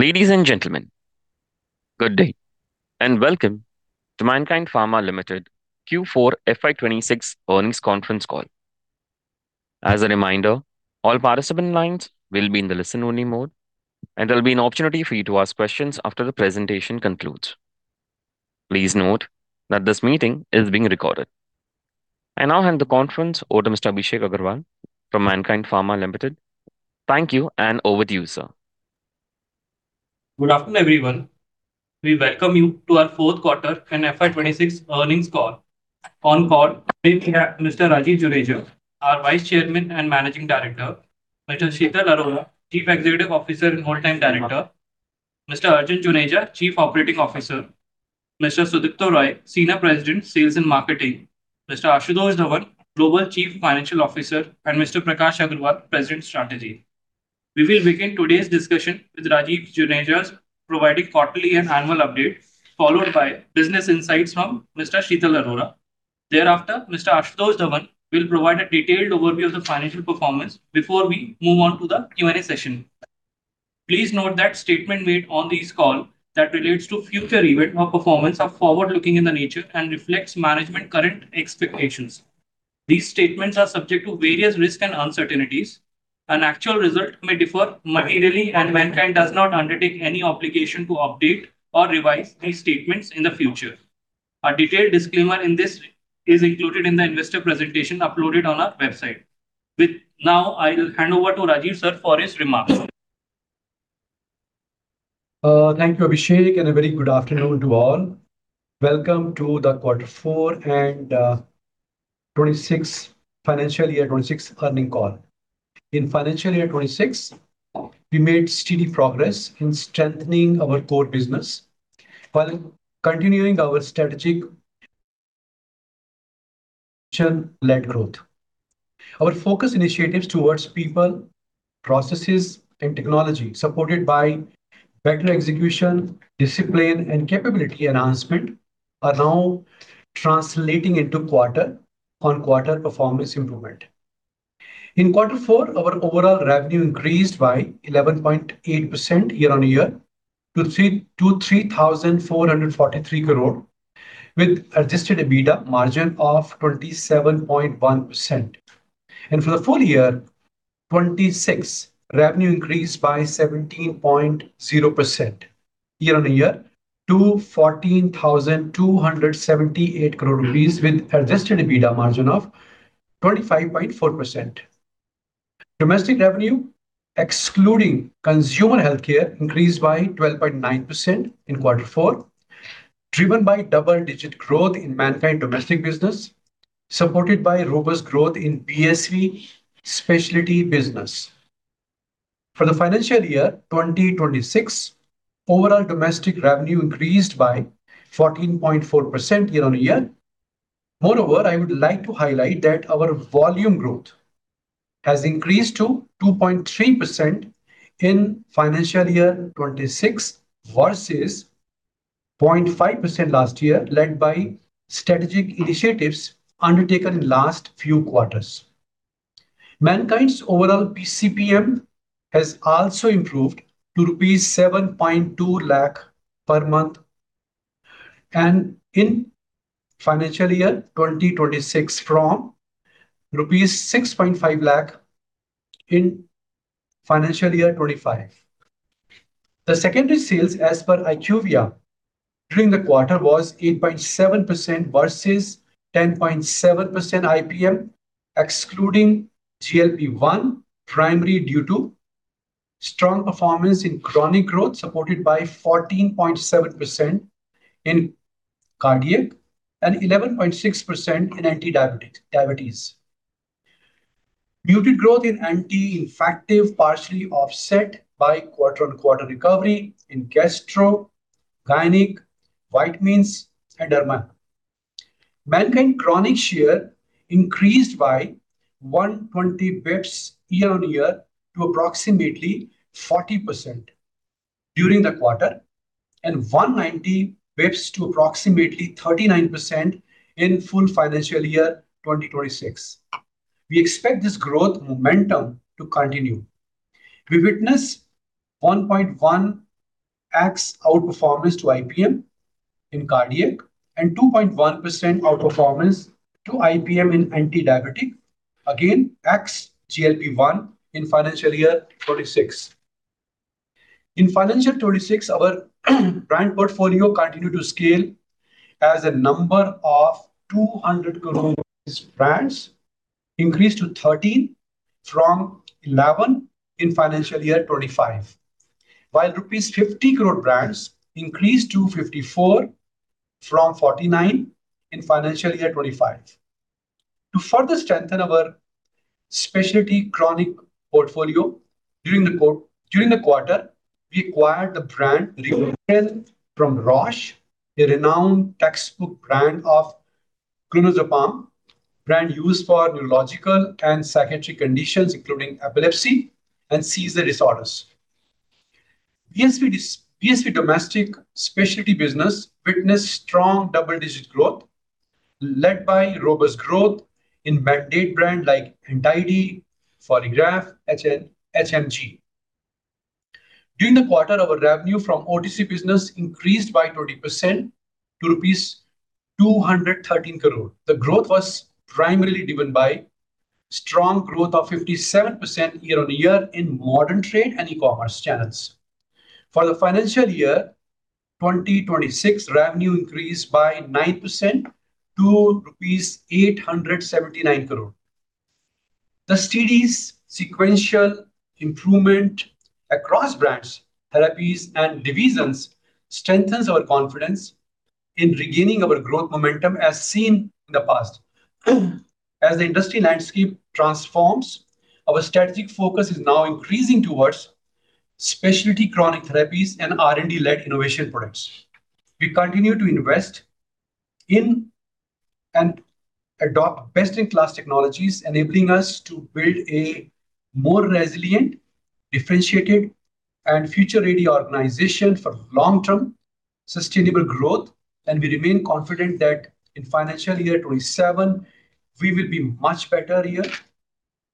Ladies and gentlemen, good day, welcome to Mankind Pharma Limited Q4 FY 2026 earnings conference call. As a reminder, all participant lines will be in the listen-only mode, there'll be an opportunity for you to ask questions after the presentation concludes. Please note that this meeting is being recorded. I now hand the conference over to Mr. Abhishek Agarwal from Mankind Pharma Limited. Thank you, over to you, sir. Good afternoon, everyone. We welcome you to our fourth quarter and FY 2026 earnings call. On the call today we have Mr. Rajeev Juneja, our Vice Chairman and Managing Director, Mr. Sheetal Arora, Chief Executive Officer and Whole-Time Director, Mr. Arjun Juneja, Chief Operating Officer, Mr. Sudipta Roy, Senior President, Sales and Marketing, Mr. Ashutosh Dhawan, Global Chief Financial Officer, and Mr. Prakash Agarwal, President, Strategy. We will begin today's discussion with Rajeev Juneja providing quarterly and annual update, followed by business insights from Mr. Sheetal Arora. Thereafter, Mr. Ashutosh Dhawan will provide a detailed overview of the financial performance before we move on to the Q and A session. Please note that statement made on this call that relates to future event or performance are forward-looking in nature and reflects management current expectations. These statements are subject to various risks and uncertainties, and actual results may differ materially, and Mankind does not undertake any obligation to update or revise these statements in the future. A detailed disclaimer in this is included in the investor presentation uploaded on our website. With now I'll hand over to Rajeev, sir, for his remarks. Thank you, Abhishek, and a very good afternoon to all. Welcome to the Q4 and financial year 2026 earnings call. In financial year 2026, we made steady progress in strengthening our core business while continuing our strategic led growth. Our focus initiatives towards people, processes and technology, supported by better execution, discipline and capability enhancement are now translating into quarter-on-quarter performance improvement. In Q4, our overall revenue increased by 11.8% year-on-year to 3,443 crore, with Adjusted EBITDA margin of 27.1%. For the full year 2026, revenue increased by 17.0% year-on-year to 14,278 crore rupees with Adjusted EBITDA margin of 25.4%. Domestic revenue, excluding consumer healthcare, increased by 12.9% in Q4, driven by double-digit growth in Mankind domestic business, supported by robust growth in BSV specialty business. For the FY 2026, overall domestic revenue increased by 14.4% year-on-year. Moreover, I would like to highlight that our volume growth has increased to 2.3% in FY 2026 versus 0.5% last year, led by strategic initiatives undertaken in last few quarters. Mankind's overall PCPM has also improved to rupees 7.2 lakh per month in FY 2026 from rupees 6.5 lakh in FY 2025. The secondary sales as per IQVIA during the quarter was 8.7% versus 10.7% IPM, excluding GLP-1, primarily due to strong performance in chronic growth, supported by 14.7% in cardiac and 11.6% in antidiabetics, diabetes. Muted growth in anti-infective, partially offset by quarter-on-quarter recovery in gastro, gynec, vitamins and derma. Mankind chronic share increased by 120 basis points year-on-year to approximately 40% during the quarter, and 190 basis points to approximately 39% in full financial year 2026. We expect this growth momentum to continue. We witness 1.1x outperformance to IPM in cardiac and 2.1% outperformance to IPM in antidiabetic. Again, x GLP-1 in financial year 2026. In FY 2026, our brand portfolio continued to scale as a number of 200 crore brands increased to 13 from 11 in FY 2025. While rupees 50 crore brands increased to 54 from 49 in FY 2025. To further strengthen our specialty chronic portfolio during the quarter, we acquired the brand Re- from Roche, a renowned textbook brand of clonazepam, brand used for neurological and psychiatric conditions, including epilepsy and seizure disorders. BSV domestic specialty business witnessed strong double-digit growth led by robust growth in mandate brand like Anti-D, Foligraf, HMG. During the quarter, our revenue from OTC business increased by 20% to rupees 213 crore. The growth was primarily driven by strong growth of 57% year-on-year in modern trade and e-commerce channels. For the financial year 2026 revenue increased by 9% to 879 crore rupees. The steady sequential improvement across brands, therapies, and divisions strengthens our confidence in regaining our growth momentum as seen in the past. As the industry landscape transforms, our strategic focus is now increasing towards specialty chronic therapies and R&D-led innovation products. We continue to invest in and adopt best-in-class technologies enabling us to build a more resilient, differentiated, and future-ready organization for long-term sustainable growth, and we remain confident that in financial year 2027, we will be much better year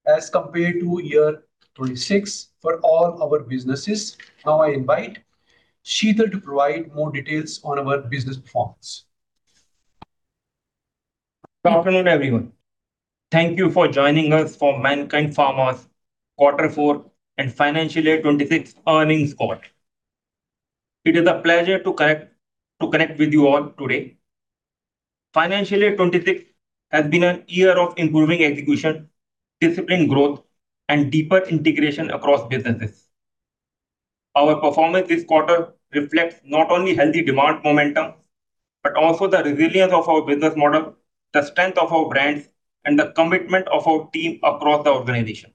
as compared to year 2026 for all our businesses. Now I invite Sheetal to provide more details on our business performance. Good afternoon, everyone. Thank you for joining us for Mankind Pharma's quarter four and financial year 2026 earnings call. It is a pleasure to connect with you all today. Financial year 2026 has been a year of improving execution, disciplined growth, and deeper integration across businesses. Our performance this quarter reflects not only healthy demand momentum, but also the resilience of our business model, the strength of our brands, and the commitment of our team across the organization.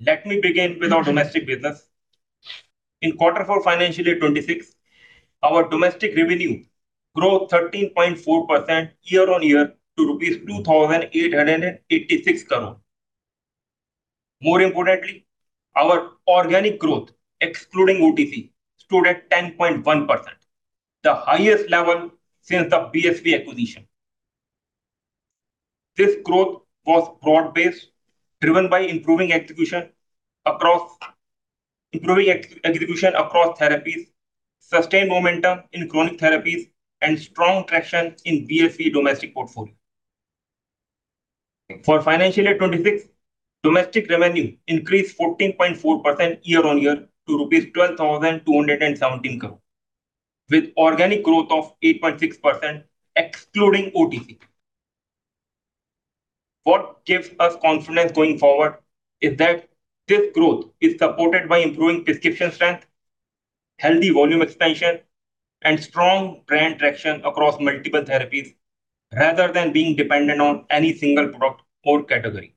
Let me begin with our domestic business. In quarter four financial year 2026 our domestic revenue grew 13.4% year-on-year to 2,886 crore rupees. More importantly, our organic growth excluding OTC stood at 10.1%, the highest level since the BSV acquisition. This growth was broad-based driven by improving ex-execution across therapies, sustained momentum in chronic therapies and strong traction in BSV domestic portfolio. For financial year 2026 domestic revenue increased 14.4% year-over-year to rupees 12,217 crore with organic growth of 8.6% excluding OTC. What gives us confidence going forward is that this growth is supported by improving prescription strength, healthy volume expansion, and strong brand traction across multiple therapies rather than being dependent on any single product or category.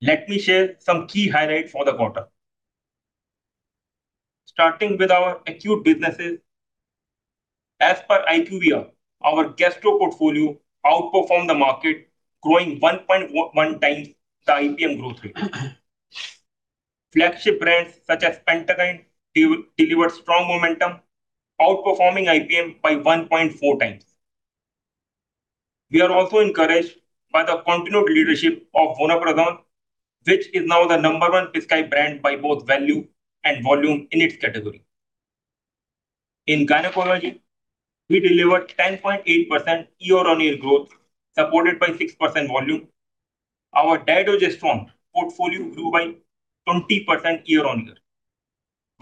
Let me share some key highlights for the quarter. Starting with our acute businesses. As per IQVIA, our gastro portfolio outperformed the market growing 1.01 times the IPM growth rate. Flagship brands such as Pantakind delivered strong momentum outperforming IPM by 1.4 times. We are also encouraged by the continued leadership of vonoprazan which is now the number one prescribed brand by both value and volume in its category. In gynecology, we delivered 10.8% year-on-year growth supported by 6% volume. Our dydrogesterone portfolio grew by 20% year-on-year.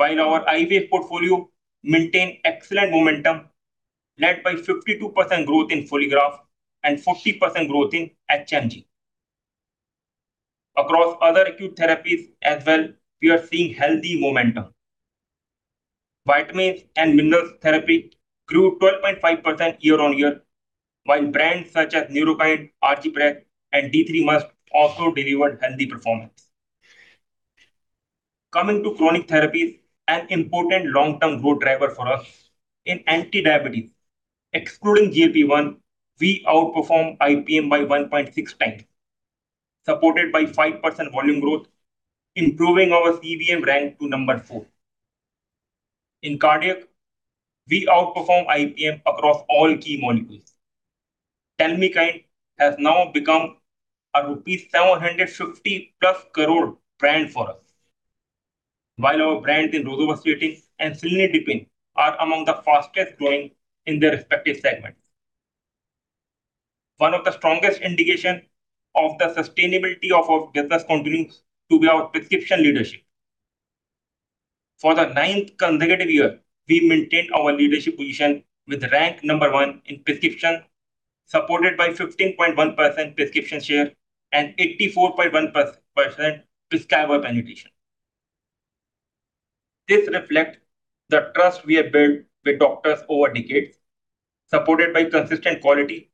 While our IVF portfolio maintained excellent momentum led by 52% growth in Foligraf and 40% growth in HMG. Across other acute therapies as well we are seeing healthy momentum. Vitamins and minerals therapy grew 12.5% year-on-year, while brands such as Neuropide, Argipreg, and D3 Must also delivered healthy performance. Coming to chronic therapies an important long-term growth driver for us in anti-diabetes excluding GLP-1 we outperform IPM by 1.6 times supported by 5% volume growth improving our CVM rank to number four. In cardiac we outperform IPM across all key molecules. Telmikind has now become an rupees 750 plus crore brand for us. Our brands in rosuvastatin and cilnidipine are among the fastest-growing in their respective segments. One of the strongest indication of the sustainability of our business continues to be our prescription leadership. For the nineth consecutive year we maintained our leadership position with rank number one in prescription supported by 15.1% prescription share and 84.1% prescribe our medication. This reflect the trust we have built with doctors over decades supported by consistent quality,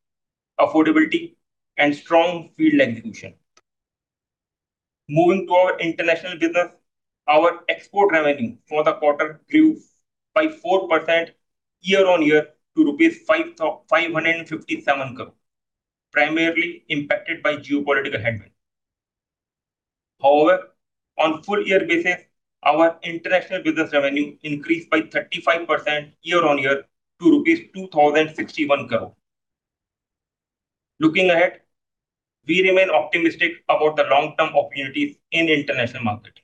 affordability, and strong field execution. Moving to our international business. Our export revenue for the quarter grew by 4% year-on-year to 557 crore primarily impacted by geopolitical headwinds. On full year basis, our international business revenue increased by 35% year-on-year to INR 2,061 crore. Looking ahead, we remain optimistic about the long-term opportunities in international marketing.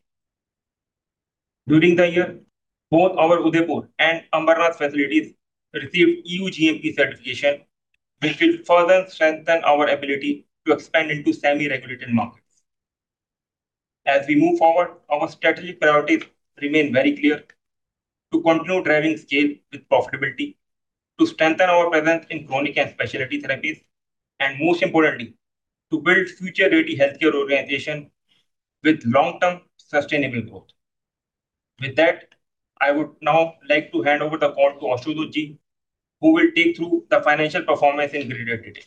During the year, both our Udaipur and Ambernath facilities received EU GMP certification, which will further strengthen our ability to expand into semi-regulated markets. As we move forward, our strategic priorities remain very clear: to continue driving scale with profitability, to strengthen our presence in chronic and specialty therapies, and most importantly, to build future-ready healthcare organization with long-term sustainable growth. With that, I would now like to hand over the call to Ashutosh Ji, who will take through the financial performance in greater detail.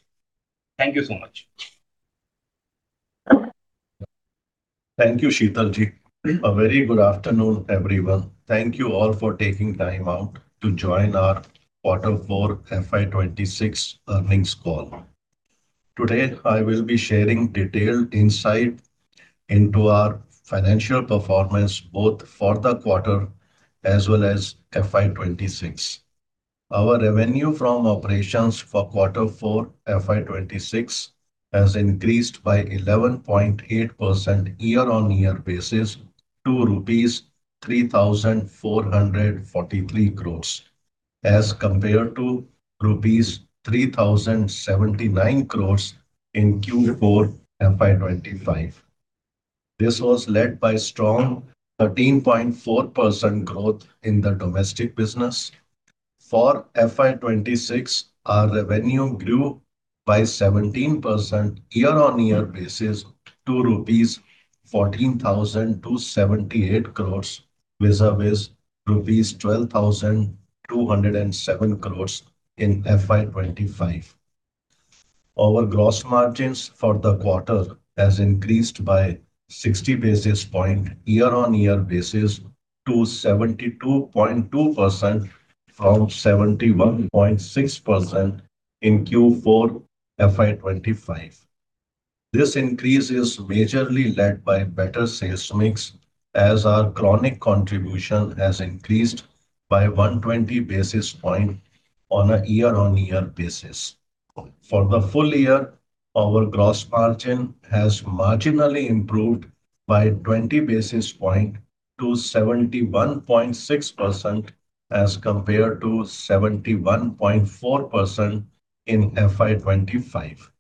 Thank you so much. Thank you, Sheetal ji. A very good afternoon, everyone. Thank you all for taking time out to join our quarter four FY 2026 earnings call. Today, I will be sharing detailed insight into our financial performance, both for the quarter as well as FY 2026. Our revenue from operations for quarter four FY 2026 has increased by 11.8% year-on-year basis to rupees 3,443 crores as compared to rupees 3,079 crores in Q4 FY 2025. This was led by strong 13.4% growth in the domestic business. For FY 2026, our revenue grew by 17% year-on-year basis to rupees 14,278 crores vis-à-vis rupees 12,207 crores in FY 2025. Our gross margins for the quarter has increased by 60 basis points year-on-year basis to 72.2% from 71.6% in Q4 FY 2025. This increase is majorly led by better sales mix as our chronic contribution has increased by 120 basis points on a year-on-year basis. For the full year, our gross margin has marginally improved by 20 basis points to 71.6% as compared to 71.4% in FY 2025.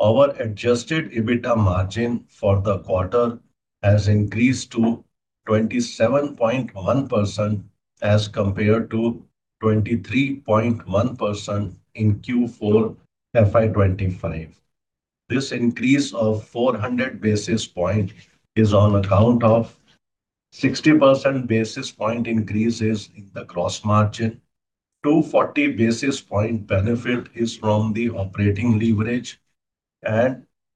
Our Adjusted EBITDA margin for the quarter has increased to 27.1% as compared to 23.1% in Q4 FY 2025. This increase of 400 basis points is on account of 60 percent basis points increases in the gross margin. 240 basis points benefit is from the operating leverage.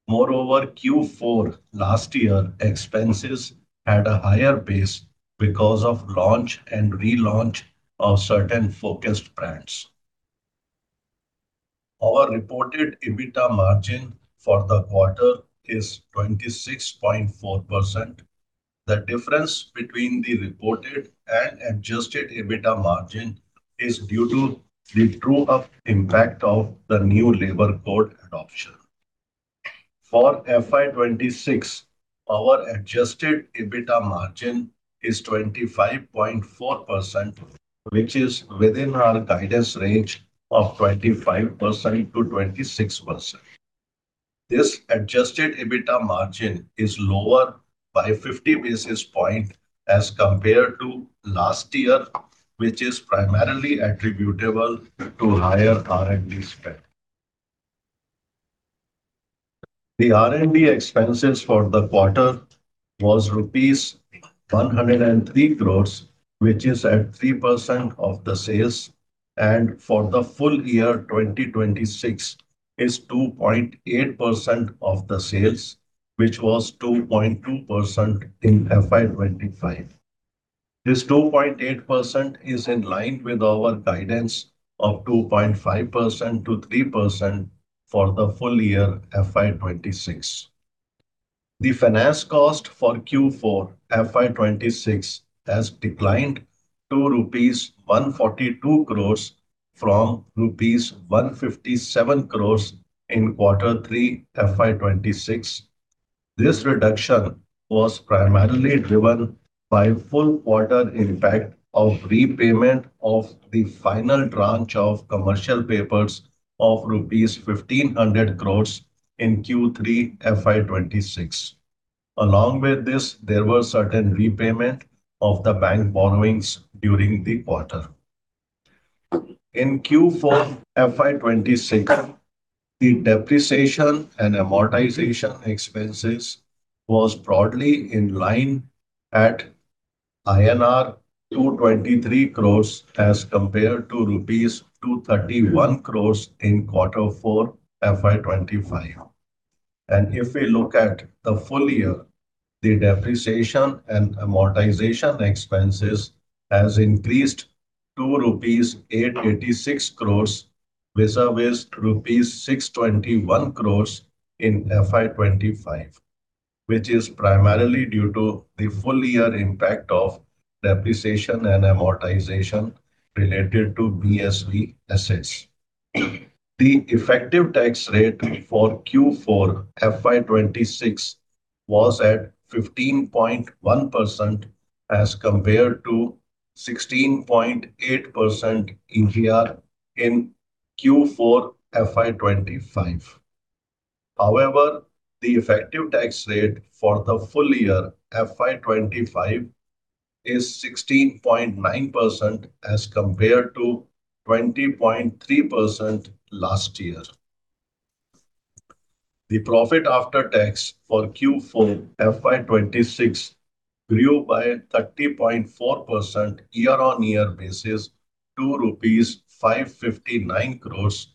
Moreover, Q4 last year expenses at a higher base because of launch and relaunch of certain focused brands. Our reported EBITDA margin for the quarter is 26.4%. The difference between the reported and Adjusted EBITDA margin is due to the true up impact of the new labor board adoption. For FY 2026, our Adjusted EBITDA margin is 25.4%, which is within our guidance range of 25%-26%. This adjusted EBITDA margin is lower by 50 basis points as compared to last year, which is primarily attributable to higher R&D spend. The R&D expenses for the quarter was rupees 103 crores, which is at 3% of the sales. For the full year, 2026 is 2.8% of the sales, which was 2.2% in FY 2025. This 2.8% is in line with our guidance of 2.5%-3% for the full year FY 2026. The finance cost for Q4 FY 2026 has declined to rupees 142 crores from rupees 157 crores in Q3 FY 2026. This reduction was primarily driven by full quarter impact of repayment of the final tranche of commercial papers of rupees 1,500 crores in Q3 FY 2026. Along with this, there were certain repayment of the bank borrowings during the quarter. In Q4 FY 2026, the depreciation and amortization expenses was broadly in line at INR 223 crores as compared to INR 231 crores in Q4 FY 2025. If we look at the full year, the depreciation and amortization expenses has increased to rupees 886 crores versus rupees 621 crores in FY 2025, which is primarily due to the full year impact of depreciation and amortization related to BSV assets. The effective tax rate for Q4 FY 2026 was at 15.1% as compared to 16.8% in Q4 FY 2025. The effective tax rate for the full year FY 2025 is 16.9% as compared to 20.3% last year. The profit after tax for Q4 FY 2026 grew by 30.4% year-over-year basis to INR 559 crores,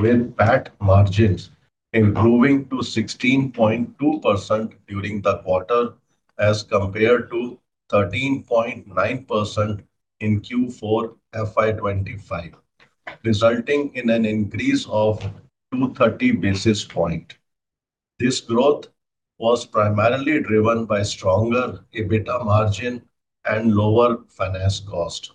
with PAT margins improving to 16.2% during the quarter as compared to 13.9% in Q4 FY 2025, resulting in an increase of 230 basis points. This growth was primarily driven by stronger EBITDA margin and lower finance cost.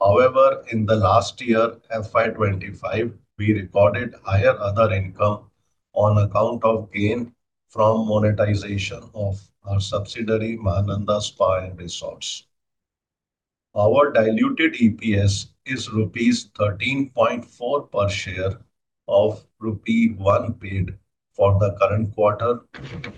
However, in the last year, FY 2025, we recorded higher other income on account of gain from monetization of our subsidiary, Mahananda Spa and Resorts. Our diluted EPS is rupees 13.4 per share of rupee 1 paid for the current quarter.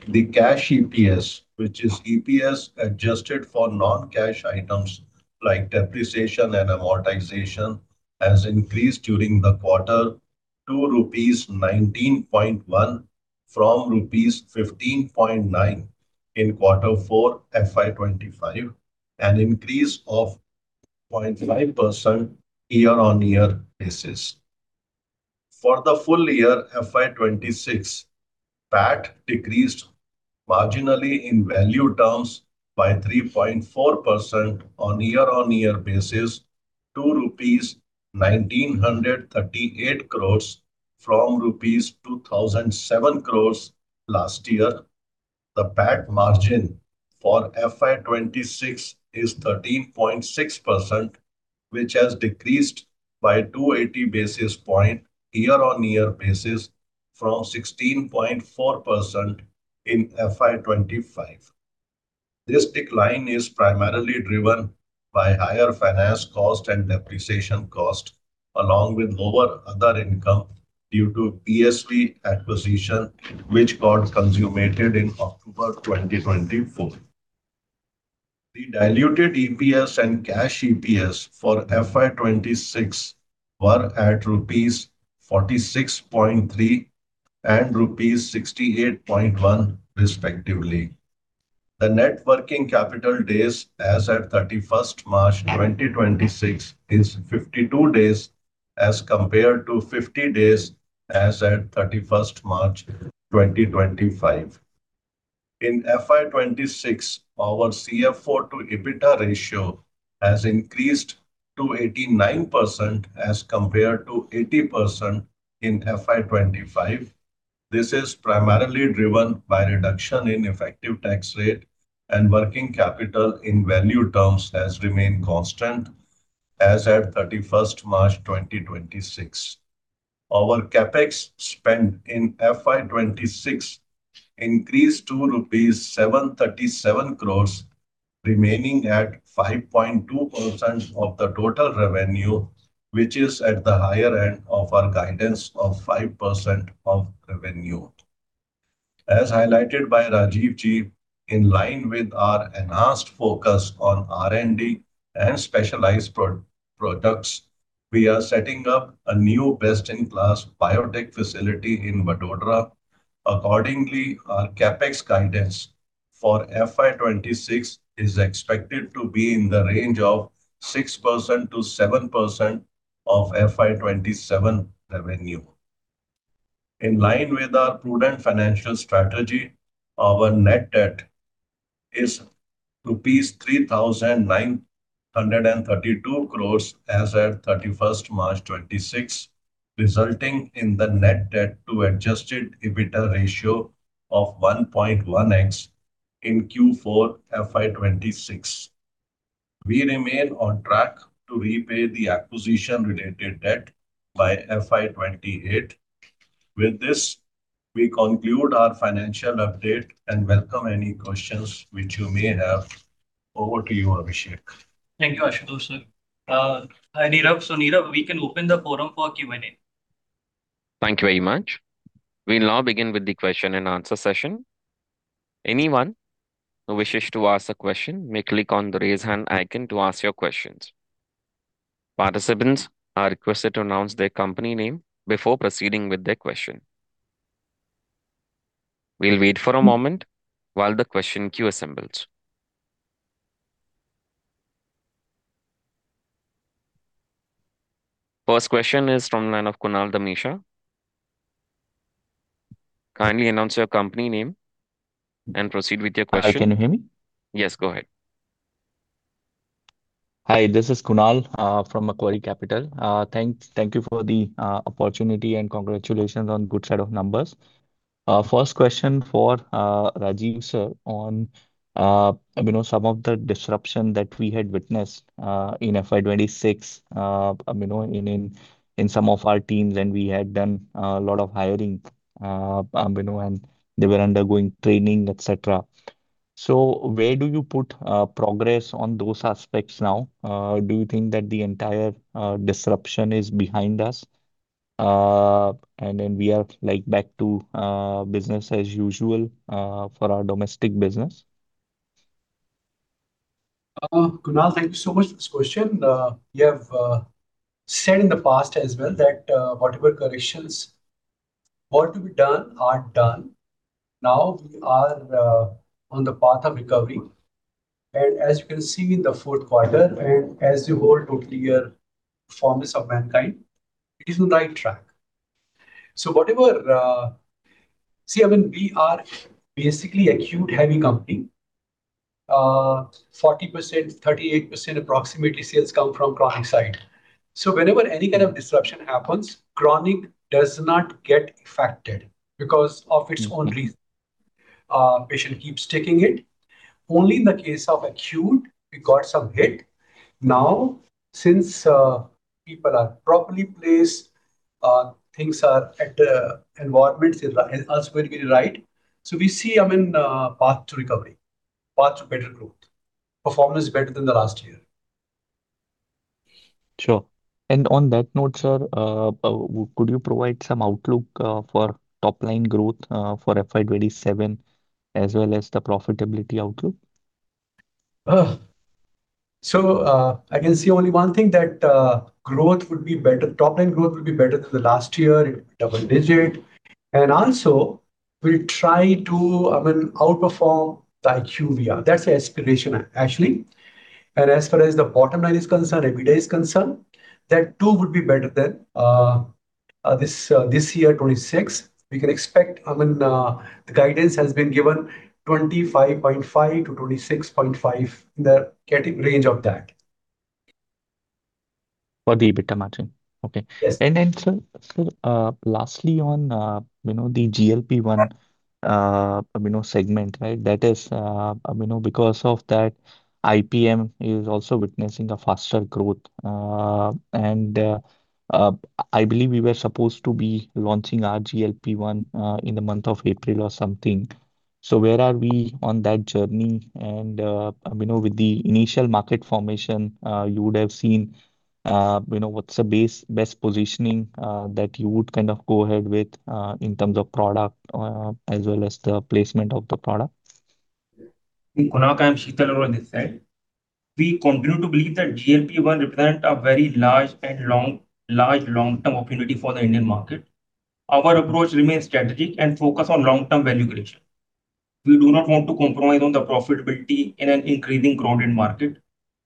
The cash EPS, which is EPS adjusted for non-cash items like depreciation and amortization, has increased during the quarter to rupees 19.1 from rupees 15.9 in quarter four FY 2025, an increase of 0.5% year-over-year basis. For the full year FY 2026, PAT decreased marginally in value terms by 3.4% year-over-year basis to 1,938 crores from rupees 2,007 crores last year. The PAT margin for FY 2026 is 13.6%, which has decreased by 280 basis points year-over-year basis from 16.4% in FY 2025. This decline is primarily driven by higher finance cost and depreciation cost, along with lower other income due to BSV acquisition which got consummated in October 2024. The diluted EPS and cash EPS for FY 2026 were at rupees 46.3 and rupees 68.1 respectively. The net working capital days as at 31st March 2026 is 52 days, as compared to 50 days as at 31st March 2025. In FY 2026, our CFO to EBITDA ratio has increased to 89% as compared to 80% in FY 2025. This is primarily driven by reduction in effective tax rate and working capital in value terms has remained constant as at 31st March 2026. Our CapEx spend in FY 2026 increased to rupees 737 crores, remaining at 5.2% of the total revenue, which is at the higher end of our guidance of 5% of revenue. As highlighted by Rajeev ji, in line with our enhanced focus on R&D and specialized products, we are setting up a new best-in-class biotech facility in Vadodara. Accordingly, our CapEx guidance for FY 2026 is expected to be in the range of 6%-7% of FY 2027 revenue. In line with our prudent financial strategy, our net debt is rupees 3,932 crores as at 31st March 2026, resulting in the net debt to Adjusted EBITDA ratio of 1.1x in Q4 FY 2026. We remain on track to repay the acquisition-related debt by FY 2028. With this, we conclude our financial update and welcome any questions which you may have. Over to you, Abhishek. Thank you, Ashutosh sir. Hi, Nirav. Nirav, we can open the forum for Q and A. Thank you very much. We now begin with the question-and-answer session. Anyone who wishes to ask a question may click on the raise hand icon to ask your questions. Participants are requested to announce their company name before proceeding with their question. We'll wait for a moment while the question queue assembles. First question is from line of Kunal Dhamesha. Kindly announce your company name and proceed with your question. Hi, can you hear me? Yes, go ahead. Hi, this is Kunal from Macquarie Capital. Thank you for the opportunity and congratulations on good set of numbers. First question for Rajeev, sir, on, you know, some of the disruption that we had witnessed in FY 2026, you know, in, in some of our teams and we had done a lot of hiring, you know, and they were undergoing training, et cetera. Where do you put progress on those aspects now? Do you think that the entire disruption is behind us, and then we are like back to business as usual for our domestic business? Kunal, thank you so much for this question. We have said in the past as well that whatever corrections were to be done are done. Now we are on the path of recovery. As you can see in the fourth quarter, and as the whole total year performance of Mankind, it is the right track. Whatever, I mean, we are basically acute heavy company. 40%, 38% approximately sales come from chronic side. Whenever any kind of disruption happens, chronic does not get affected because of its own reason. Patient keeps taking it. Only in the case of acute we got some hit. Since people are properly placed, things are at, environment is very, very right. We see, I mean, path to recovery, path to better growth. Performance better than the last year. Sure. On that note, sir, could you provide some outlook for top-line growth for FY 2027 as well as the profitability outlook? I can see only one thing that growth would be better, top-line growth will be better than the last year, double-digit. Also we'll try to, I mean, outperform the IQVIA. That's the aspiration actually. As far as the bottom line is concerned, EBITDA is concerned, that too would be better than this year, 2026. We can expect, I mean, the guidance has been given 25.5-26.5, in the category range of that. For the EBITDA margin. Okay. Yes. Sir, sir, lastly on, you know, the GLP-1, you know, segment, right? That is, you know, because of that, IPM is also witnessing a faster growth. I believe we were supposed to be launching our GLP-1 in the month of April or something. Where are we on that journey? You know, with the initial market formation, you would have seen, you know, what's the base, best positioning, that you would kind of go ahead with, in terms of product, as well as the placement of the product. Kunal, I am Sheetal Arora on this side. We continue to believe that GLP-1 represent a very large and long-term opportunity for the Indian market. Our approach remains strategic and focused on long-term value creation. We do not want to compromise on the profitability in an increasing crowded market.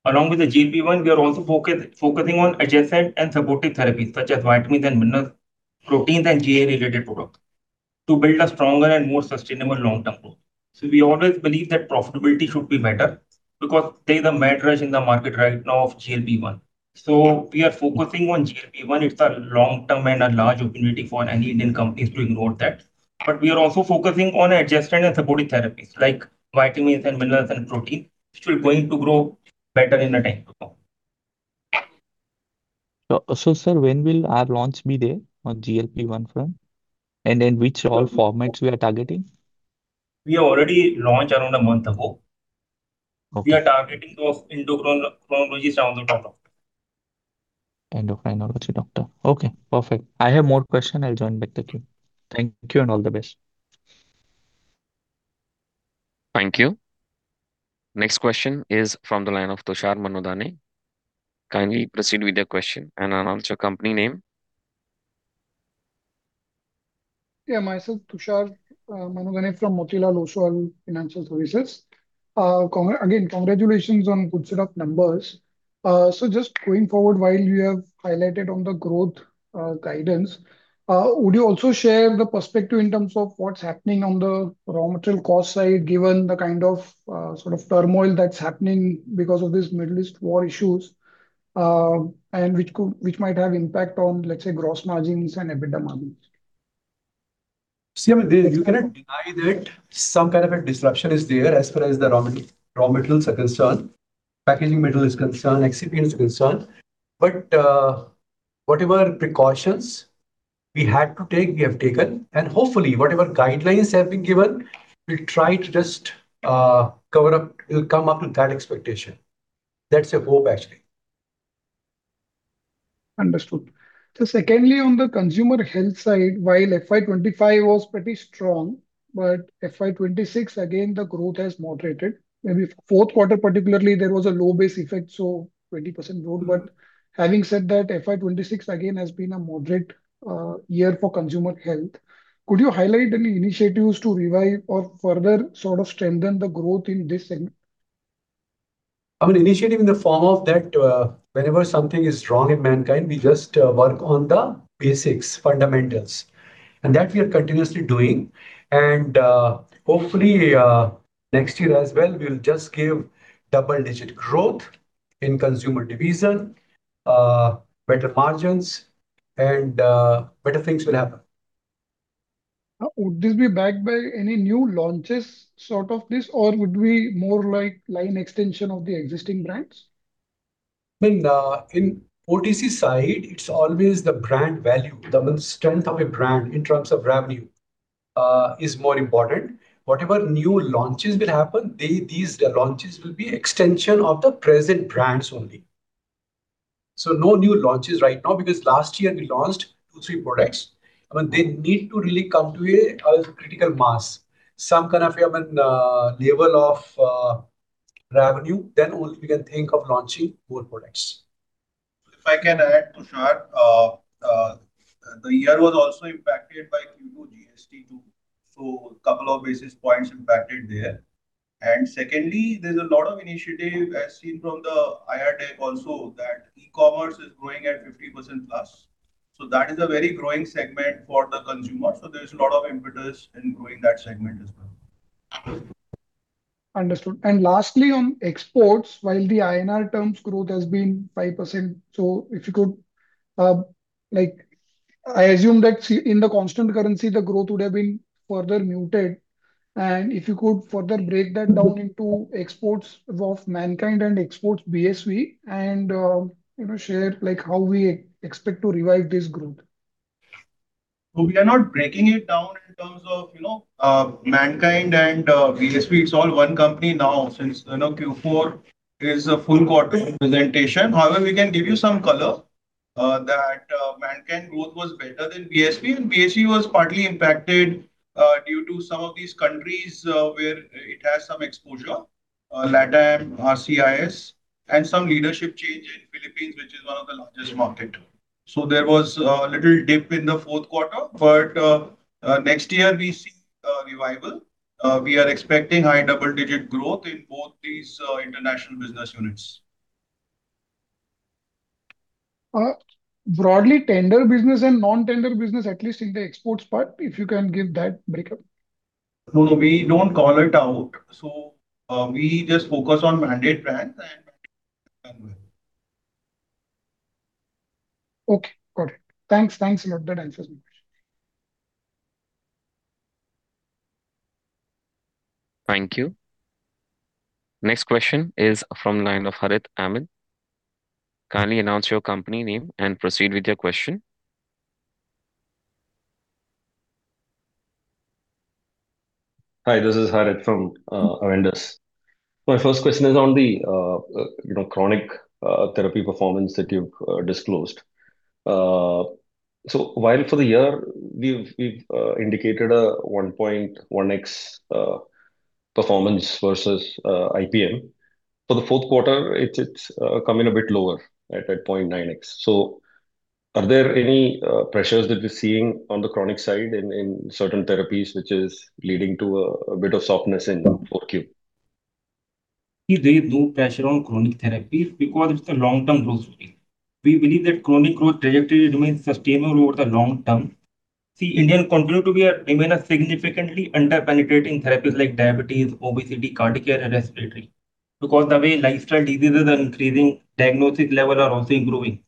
Along with the GLP-1, we are also focusing on adjacent and supportive therapies such as vitamins and minerals, proteins and GI-related products to build a stronger and more sustainable long-term growth. We always believe that profitability should be better because there is a mad rush in the market right now of GLP-1. We are focusing on GLP-1. It's a long-term and a large opportunity for any Indian companies to ignore that. We are also focusing on adjacent and supportive therapies like vitamins and minerals and protein, which are going to grow better in the time to come. Sir, when will our launch be there on GLP-1 front? Which all formats we are targeting? We already launched around a month ago. Okay. We are targeting those endocrinologist around the product. Endocrinology doctor. Okay, perfect. I have more question. I'll join back the queue. Thank you, and all the best. Thank you. Next question is from the line of Tushar Manudhane. Kindly proceed with your question and announce your company name. Yeah. Myself, Tushar Manudhane from Motilal Oswal Financial Services. Again, congratulations on good set of numbers. Just going forward, while you have highlighted on the growth guidance, would you also share the perspective in terms of what's happening on the raw material cost side, given the kind of sort of turmoil that's happening because of this Middle East war issues, and which might have impact on, let's say, gross margins and EBITDA margins? See, I mean, you cannot deny that some kind of a disruption is there as far as the raw materials are concerned, packaging material is concerned, excipient is concerned. Whatever precautions we had to take, we have taken, and hopefully whatever guidelines have been given, we'll try to just cover up, we'll come up with that expectation. That's the hope, actually. Understood. Secondly, on the consumer health side, while FY 2025 was pretty strong, FY 2026, again, the growth has moderated. Maybe fourth quarter particularly, there was a low base effect, so 20% growth. Having said that, FY 2026 again has been a moderate year for consumer health. Could you highlight any initiatives to revive or further sort of strengthen the growth in this segment? I mean, initiative in the form of that, whenever something is wrong in Mankind, we just work on the basics, fundamentals. That we are continuously doing. Hopefully, next year as well we'll just give double-digit growth in consumer division, better margins and better things will happen. Would this be backed by any new launches, sort of this? Or would be more like line extension of the existing brands? I mean, in OTC side, it's always the brand value. The main strength of a brand in terms of revenue, is more important. Whatever new launches will happen, these launches will be extension of the present brands only. No new launches right now, because last year we launched two, three products. I mean, they need to really come to a critical mass, some kind of, I mean, level of revenue, then only we can think of launching more products. If I can add, Tushar. The year was also impacted by Q2 GST too, couple of basis points impacted there. Secondly, there's a lot of initiative as seen from the IR Tech also, that e-commerce is growing at 50% plus. That is a very growing segment for the consumer. There's a lot of impetus in growing that segment as well. Understood. Lastly, on exports, while the INR terms growth has been 5%, so if you could, I assume that in the constant currency the growth would have been further muted. If you could further break that down into exports of Mankind and exports BSV and, you know, share how we expect to revive this growth. We are not breaking it down in terms of, you know, Mankind and BSV. It's all one company now since, you know, Q4 is a full quarter presentation. However, we can give you some color that Mankind growth was better than BSV, and BSV was partly impacted due to some of these countries where it has some exposure, LATAM, RCIS, and some leadership change in Philippines, which is one of the largest market. There was a little dip in the fourth quarter, but next year we see a revival. We are expecting high double-digit growth in both these international business units. Broadly tender business and non-tender business, at least in the exports part, if you can give that breakup? No, no, we don't call it out. We just focus on mandate brands. Okay. Got it. Thanks. Thanks a lot. That answers my question. Thank you. Next question is from line of Harith Ahamed. Kindly announce your company name and proceed with your question. Hi, this is Harith from Avendus. My first question is on the, you know, chronic therapy performance that we've disclosed. While for the year we've indicated 1.1x performance versus IPM. For the fourth quarter it's come in a bit lower at 0.9x. Are there any pressures that we're seeing on the chronic side in certain therapies which is leading to a bit of softness in the fourth Q? There's no pressure on chronic therapies because it's a long-term growth story. We believe that chronic growth trajectory remains sustainable over the long term. India continue to be a remain a significantly under-penetrating therapies like diabetes, obesity, cardiac care and respiratory. The way lifestyle diseases are increasing, diagnostic level are also improving,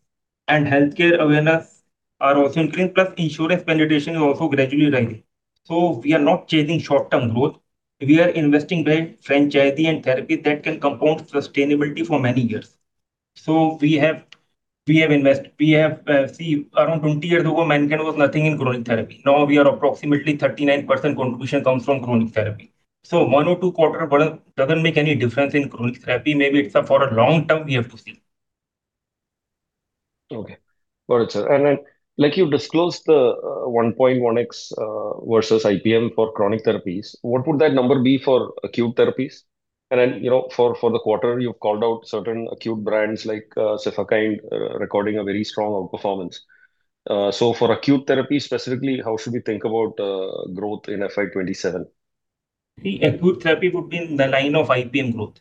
and healthcare awareness are also increasing, plus insurance penetration is also gradually rising. We are not chasing short-term growth. We are investing by franchisee and therapy that can compound sustainability for many years. Around 20 years ago, Mankind was nothing in chronic therapy. Now we are approximately 39% contribution comes from chronic therapy. One or two quarter below doesn't make any difference in chronic therapy. Maybe for a long term we have to see. Okay. Got it, sir. Then, like you disclosed the 1.1x versus IPM for chronic therapies, what would that number be for acute therapies? Then, you know, for the quarter you've called out certain acute brands like Cefakind recording a very strong outperformance. So for acute therapy specifically, how should we think about growth in FY 2027? Acute therapy would be in the line of IPM growth.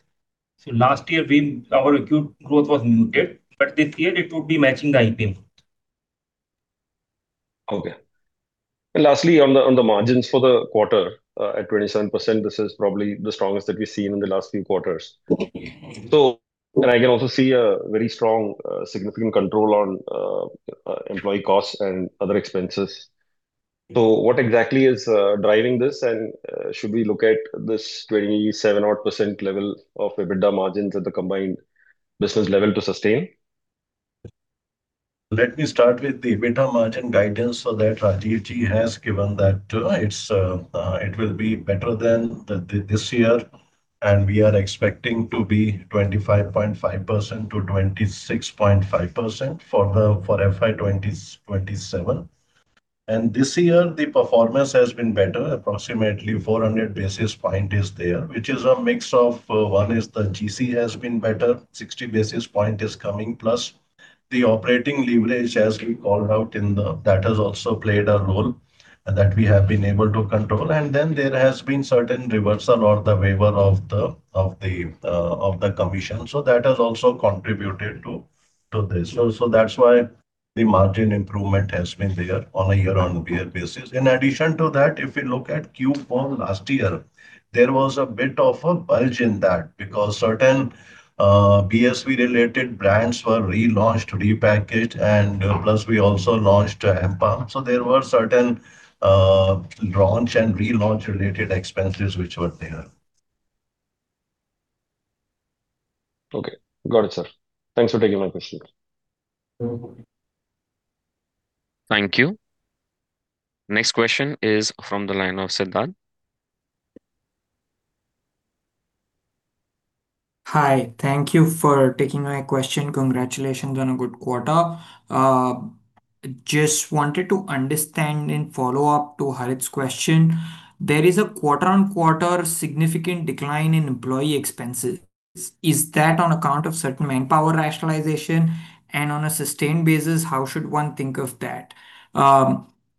Last year, our acute growth was muted, but this year it would be matching the IPM growth. Okay. Lastly, on the margins for the quarter, at 27%, this is probably the strongest that we've seen in the last few quarters. I can also see a very strong, significant control on employee costs and other expenses. What exactly is driving this? Should we look at this 27 odd % level of EBITDA margins at the combined business level to sustain? Let me start with the EBITDA margin guidance, so that Rajeev ji has given that, it's, it will be better than this year and we are expecting to be 25.5% to 26.5% for FY 2027. This year the performance has been better. Approximately 400 basis points is there, which is a mix of, one is the GC has been better, 60 basis points is coming. Plus the operating leverage, as we called out in that has also played a role that we have been able to control. There has been certain reversal or the waiver of the commission. That has also contributed to this. That's why the margin improvement has been there on a year-on-year basis. In addition to that, if you look at Q4 last year, there was a bit of a bulge in that because certain BSV-related brands were relaunched, repackaged, and plus we also launched empal. There were certain launch and relaunch related expenses which were there. Okay. Got it, sir. Thanks for taking my question. Thank you. Next question is from the line of Siddharth. Hi. Thank you for taking my question. Congratulations on a good quarter. Just wanted to understand in follow-up to Harith's question, there is a quarter-on-quarter significant decline in employee expenses. Is that on account of certain manpower rationalization? On a sustained basis, how should one think of that?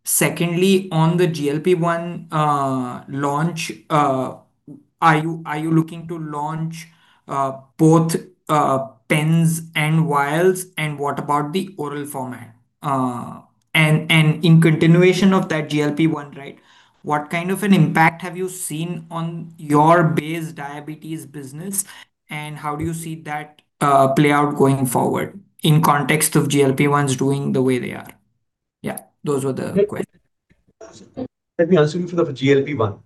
Secondly, on the GLP-1 launch, are you looking to launch both pens and vials? What about the oral format? In continuation of that GLP-1, right, what kind of an impact have you seen on your base diabetes business, and how do you see that play out going forward in context of GLP-1s doing the way they are? Yeah, those were the questions. Let me answer you for the GLP-1.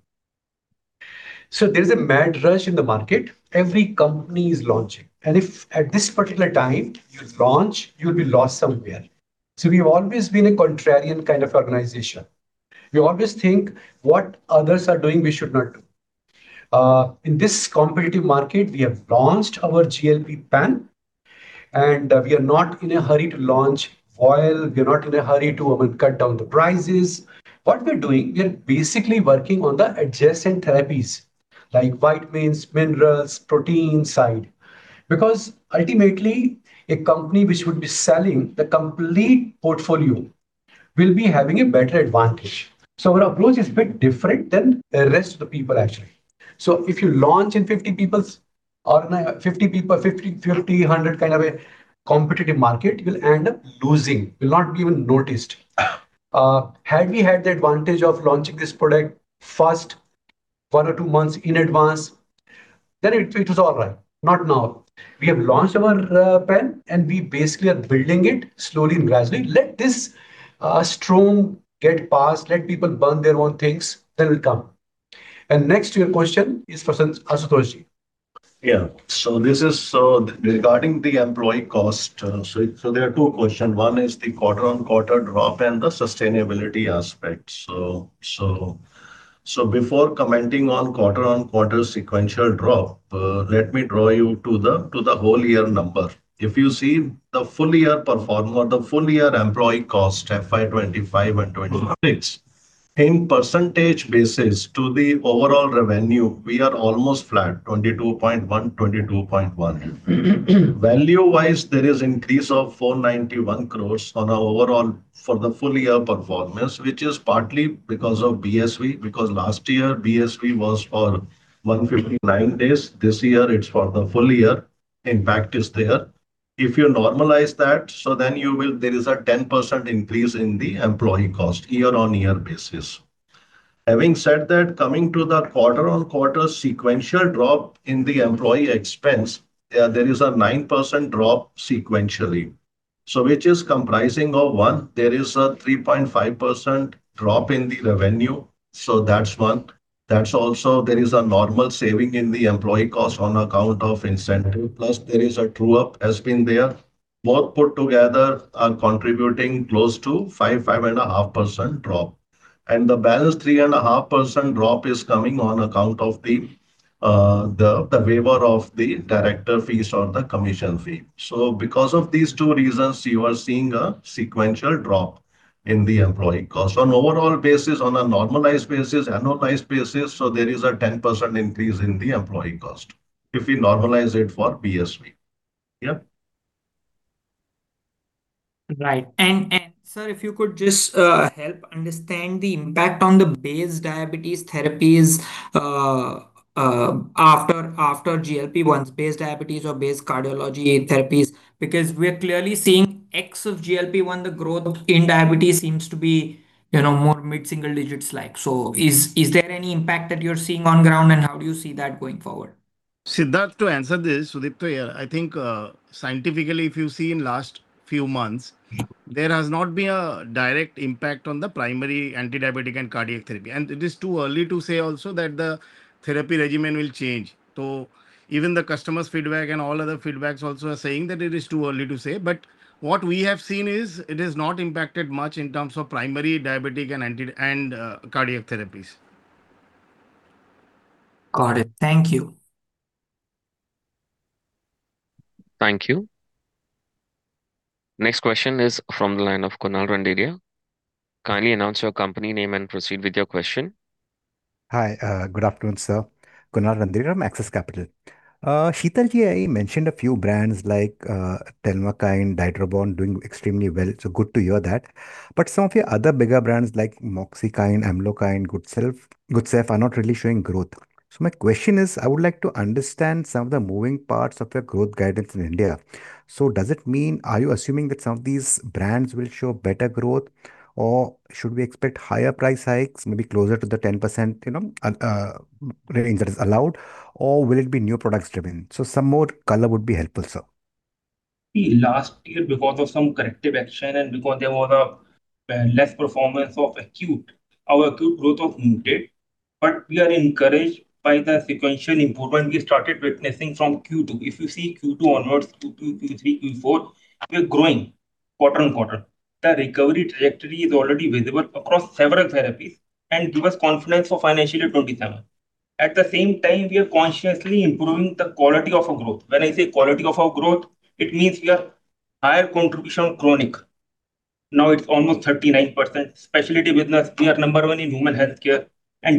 There's a mad rush in the market every company is launching, and if at this particular time you launch, you'll be lost somewhere. We've always been a contrarian kind of organization. We always think what others are doing, we should not do. In this competitive market, we have launched our GLP pen, we are not in a hurry to launch vial. We are not in a hurry to cut down the prices. What we're doing, we are basically working on the adjacent therapies like vitamins, minerals, protein side, because ultimately a company which would be selling the complete portfolio will be having a better advantage. Our approach is a bit different than the rest of the people actually. If you launch in 50 people, 50, 100 kind of a competitive market, you will end up losing. Had we had the advantage of launching this product first one or two months in advance, then it was all right. Not now. We have launched our Pantakind, and we basically are building it slowly and gradually. Let this storm get past. Let people burn their own things, we'll come. Next to your question is for Ashutosh Ji. This is regarding the employee cost. There are two questions. One is the quarter-on-quarter drop and the sustainability aspect. Before commenting on quarter-on-quarter sequential drop, let me draw you to the whole year number. If you see the full year performance or the full year employee cost FY 2025 and 2026 in percentage basis to the overall revenue, we are almost flat, 22.1%, 22.1%. Value-wise, there is increase of 491 crores on our overall for the full year performance, which is partly because of BSV, because last year BSV was for 159 days. This year it's for the full year. Impact is there. If you normalize that, there is a 10% increase in the employee cost year-on-year basis. Having said that, coming to the quarter-on-quarter sequential drop in the employee expense, there is a 9% drop sequentially. Which is comprising of one, there is a 3.5% drop in the revenue, so that's one. That's also there is a normal saving in the employee cost on account of incentive, plus there is a true up has been there. Both put together are contributing close to 5%, 5.5% drop. The balance 3.5% drop is coming on account of the waiver of the director fees or the commission fee. Because of these two reasons, you are seeing a sequential drop in the employee cost. On overall basis, on a normalized basis, annualized basis, there is a 10% increase in the employee cost if we normalize it for BSV. Yep. Right. Sir, if you could just help understand the impact on the base diabetes therapies, after GLP-1s, base diabetes or base cardiology therapies, because we're clearly seeing x of GLP-1, the growth in diabetes seems to be, you know, more mid-single digits like. Is there any impact that you're seeing on ground, and how do you see that going forward? Siddharth, to answer this, Sudipta here. I think scientifically, if you've seen last few months, there has not been a direct impact on the primary anti-diabetic and cardiac therapy. It is too early to say also that the therapy regimen will change. Even the customers' feedback and all other feedbacks also are saying that it is too early to say. What we have seen is it has not impacted much in terms of primary diabetic and cardiac therapies. Got it. Thank you. Thank you. Next question is from the line of Kunal Randeria. Kindly announce your company name and proceed with your question. Hi, good afternoon, sir. Kunal Randeria from Axis Capital. Sheetal ji, I mentioned a few brands like Telmikind and Dydroboon doing extremely well, so good to hear that. Some of your other bigger brands like Moxikind, Amlokind, and Gudcef are not really showing growth. My question is, I would like to understand some of the moving parts of your growth guidance in India. Does it mean, are you assuming that some of these brands will show better growth? Should we expect higher price hikes, maybe closer to the 10%, you know, range that is allowed? Will it be new products driven? Some more color would be helpful, sir. See, last year, because of some corrective action and because there was a less performance of acute, our acute growth was muted. We are encouraged by the sequential improvement we started witnessing from Q2. If you see Q2 onwards to Q3, Q4, we are growing quarter-on-quarter. The recovery trajectory is already visible across several therapies and give us confidence for financial year 2027. At the same time, we are consciously improving the quality of our growth. When I say quality of our growth, it means we have higher contribution chronic. Now it is almost 39%. Specialty business, we are number one in human healthcare.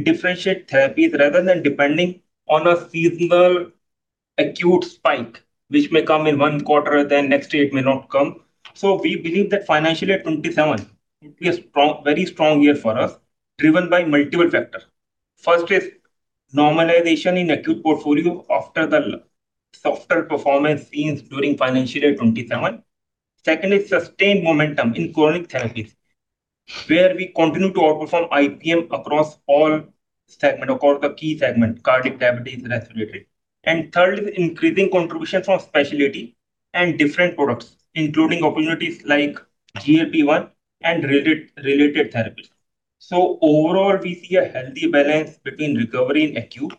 Differentiate therapies rather than depending on a seasonal acute spike, which may come in one quarter, then next year it may not come. We believe that financial year 2027 will be a strong, very strong year for us, driven by multiple factors. First is normalization in acute portfolio after the softer performance seen during financial year 2027. Second is sustained momentum in chronic therapies, where we continue to outperform IPM across all segment or the key segment, cardiac, diabetes, respiratory. Third is increasing contributions from specialty and different products, including opportunities like GLP-1 and related therapies. Overall, we see a healthy balance between recovery in acute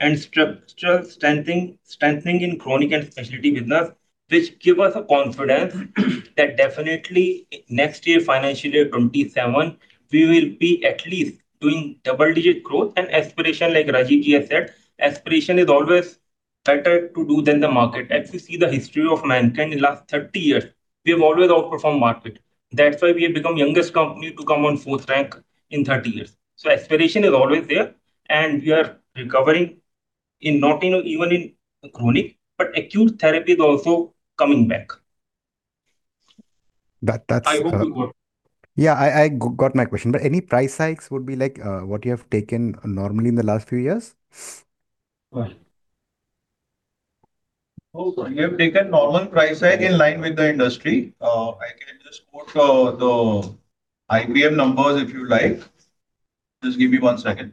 and structural strengthening in chronic and specialty business, which give us a confidence that definitely next year, financial year 2027, we will be at least doing double-digit growth. Aspiration, like Rajeev ji has said, aspiration is always better to do than the market. As you see the history of Mankind in last 30 years, we have always outperformed market. That's why we have become youngest company to come on fourth rank in 30 years. Aspiration is always there, and we are recovering in not, you know, even in chronic, but acute therapy is also coming back. That's. I hope it work. Yeah, I got my question. Any price hikes would be like, what you have taken normally in the last few years? Well, we have taken normal price hike in line with the industry. I can just quote the IPM numbers if you like. Just give me one second.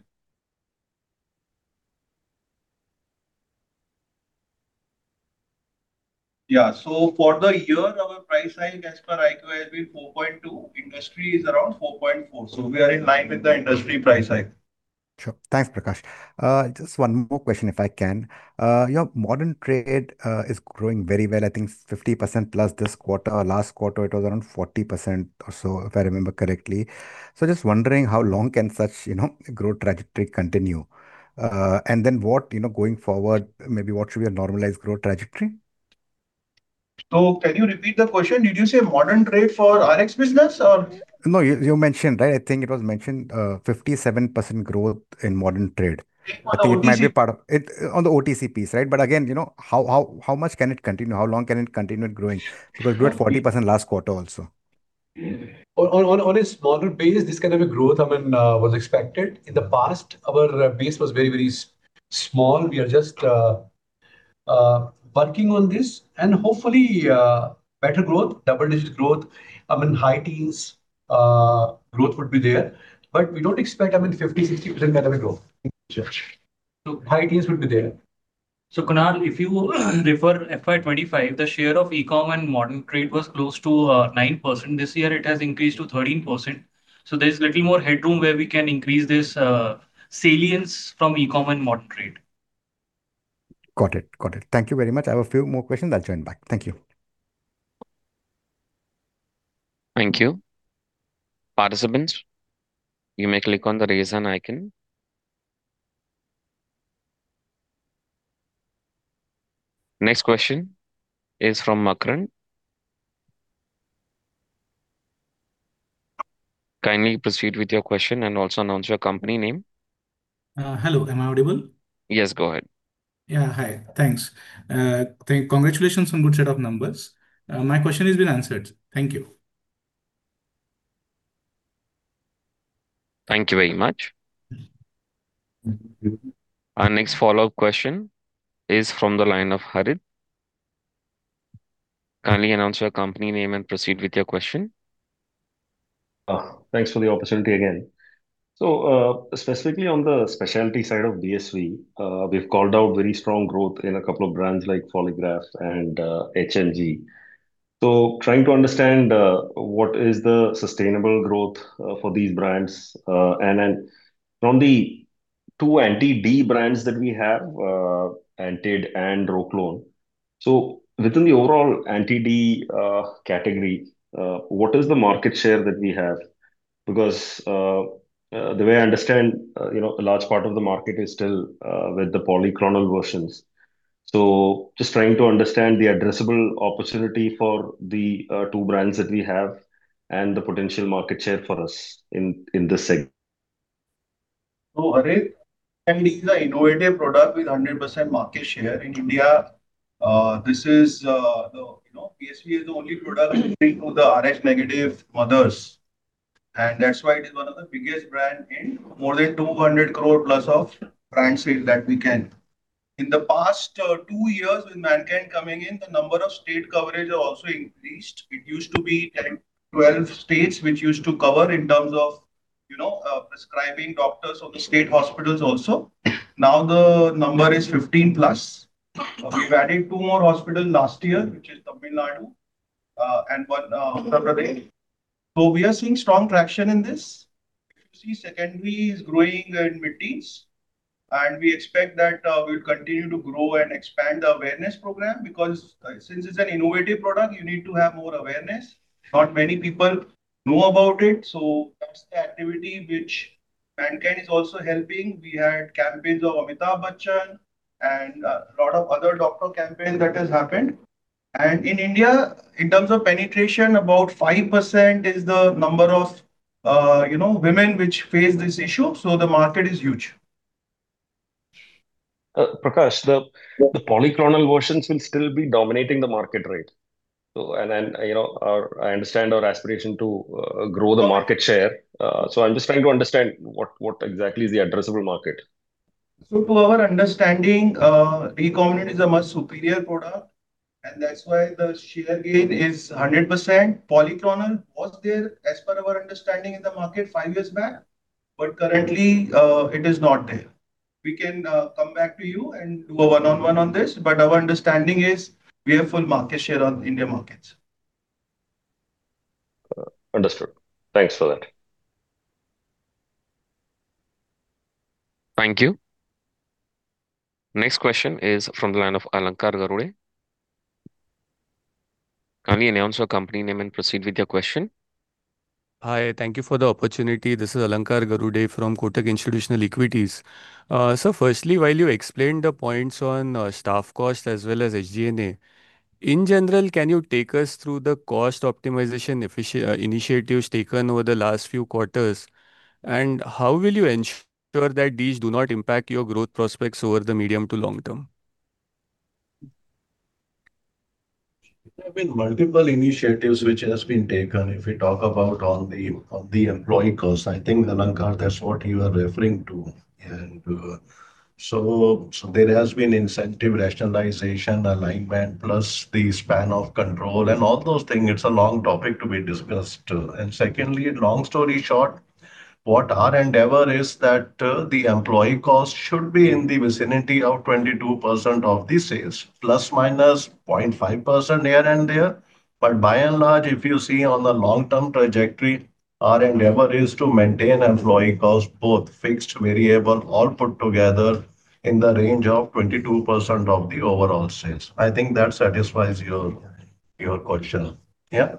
Yeah. For the year, our price hike as per IQVIA has been 4.2%. Industry is around 4.4%. We are in line with the industry price hike. Sure. Thanks, Prakash. Just one more question, if I can. Your modern trade is growing very well. I think 50% plus this quarter. Last quarter, it was around 40% or so, if I remember correctly. Just wondering how long can such, you know, growth trajectory continue? What, you know, going forward, maybe what should be a normalized growth trajectory? Can you repeat the question? Did you say modern trade for Rx business or? No, you mentioned, right? I think it was mentioned, 57% growth in modern trade. On OTC. It might be part of it. On the OTC piece, right? Again, you know, how much can it continue? How long can it continue growing? Sure. We had 40% last quarter also. On a smaller base, this kind of a growth, I mean, was expected. In the past, our base was very small. We are just working on this and hopefully, better growth, double-digit growth. I mean, high teens growth would be there. We don't expect, I mean, 50%, 60% kind of a growth. Sure, sure. High teens would be there. Kunal, if you refer FY 2025, the share of e-com and modern trade was close to 9%. This year it has increased to 13%. There's little more headroom where we can increase this salience from e-com and modern trade. Got it. Got it. Thank you very much. I have a few more questions. I'll join back. Thank you. Thank you. Next question is from Makarand. Kindly proceed with your question and also announce your company name. Hello, am I audible? Yes, go ahead. Hi, thanks. Congratulations on good set of numbers. My question has been answered. Thank you. Thank you very much. Our next follow-up question is from the line of Harith Ahamed. Kindly announce your company name and proceed with your question. Thanks for the opportunity again. Specifically on the specialty side of BSV, we've called out very strong growth in a couple of brands like Foligraf and HMG. Trying to understand what is the sustainable growth for these brands. And then from the two Anti-D brands that we have, Anti-D and Rhoclone. Within the overall Anti-D category, what is the market share that we have? Because, the way I understand, you know, a large part of the market is still with the polyclonal versions. Just trying to understand the addressable opportunity for the two brands that we have and the potential market share for us in this segment. Harith, I mean, it is an innovative product with a 100% market share in India. This is, the, you know, BSV is the only product approved to the Rh- mothers, and that's why it is one of the biggest brand in more than 200 crore plus of brand sales that we can. In the past, two years with Mankind coming in, the number of state coverage have also increased. It used to be 10, 12 states which used to cover in terms of, you know, prescribing doctors of the state hospitals also. Now the number is 15 plus. We've added two more hospital last year, which is Tamil Nadu, and one, Telangana. We are seeing strong traction in this. You see secondary is growing in mid-teens. We expect that, we'll continue to grow and expand the awareness program because, since it's an innovative product, you need to have more awareness. Not many people know about it, so that's the activity which Mankind is also helping. We had campaigns of Amitabh Bachchan and a lot of other doctor campaigns that has happened. In India, in terms of penetration, about 5% is the number of, you know, women which face this issue, so the market is huge. Prakash. Yeah. The polyclonal versions will still be dominating the market, right? You know, I understand our aspiration to grow the market share. I'm just trying to understand what exactly is the addressable market. To our understanding, recombinant is a much superior product, and that's why the share gain is 100%. Polyclonal was there as per our understanding in the market five years back, but currently, it is not there. We can come back to you and do a one-on-one on this, but our understanding is we have full market share on India markets. Understood. Thanks for that. Thank you. Next question is from the line of Alankar Garude. Kindly announce your company name and proceed with your question. Hi, thank you for the opportunity. This is Alankar Garude from Kotak Institutional Equities. Sir, firstly, while you explained the points on staff cost as well as SG&A, in general, can you take us through the cost optimization initiatives taken over the last few quarters? How will you ensure that these do not impact your growth prospects over the medium to long term? There have been multiple initiatives which have been taken. If we talk about on the employee cost, I think, Alankar, that is what you are referring to. There has been incentive rationalization, alignment, plus the span of control and all those things. It is a long topic to be discussed. Secondly, long story short, what our endeavor is that the employee cost should be in the vicinity of 22% of the sales, plus minus 0.5% here and there. By and large, if you see on the long-term trajectory, our endeavor is to maintain employee cost, both fixed, variable, all put together in the range of 22% of the overall sales. I think that satisfies your question. Yeah.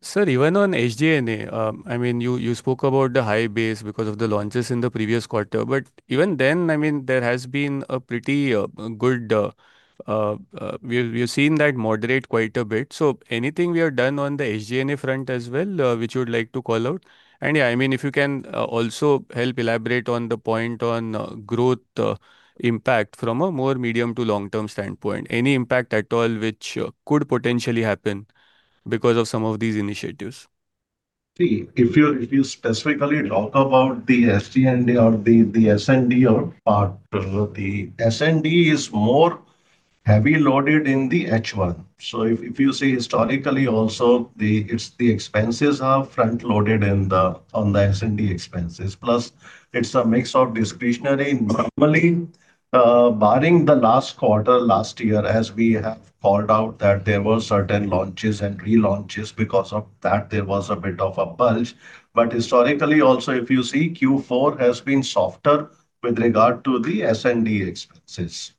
Sir, even on SG&A, I mean, you spoke about the high base because of the launches in the previous quarter. Even then, I mean, there has been a pretty good, we've seen that moderate quite a bit. Anything we have done on the SG&A front as well, which you would like to call out? Yeah, I mean, if you can also help elaborate on the point on growth impact from a more medium to long-term standpoint. Any impact at all which could potentially happen because of some of these initiatives? See, if you specifically talk about the SG&A or the S&D part, the S&D is more heavy loaded in the H1. If you see historically also, the expenses are front loaded on the S&D expenses. Plus it's a mix of discretionary. Normally, barring the last quarter last year, as we have called out, that there were certain launches and relaunches. Because of that, there was a bit of a bulge. Historically also, if you see, Q4 has been softer with regard to the S&D expenses.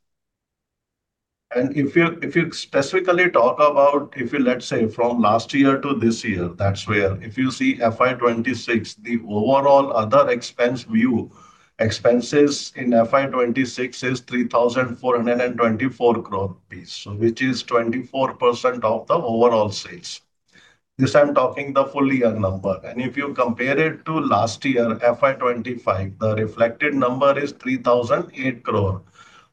If you specifically talk about if you from last year to this year, that's where if you see FY 2026, the overall other expenses in FY 2026 is 3,424 crore, which is 24% of the overall sales. This I'm talking the full year number. If you compare it to last year, FY 2025, the reflected number is 3,008 crore.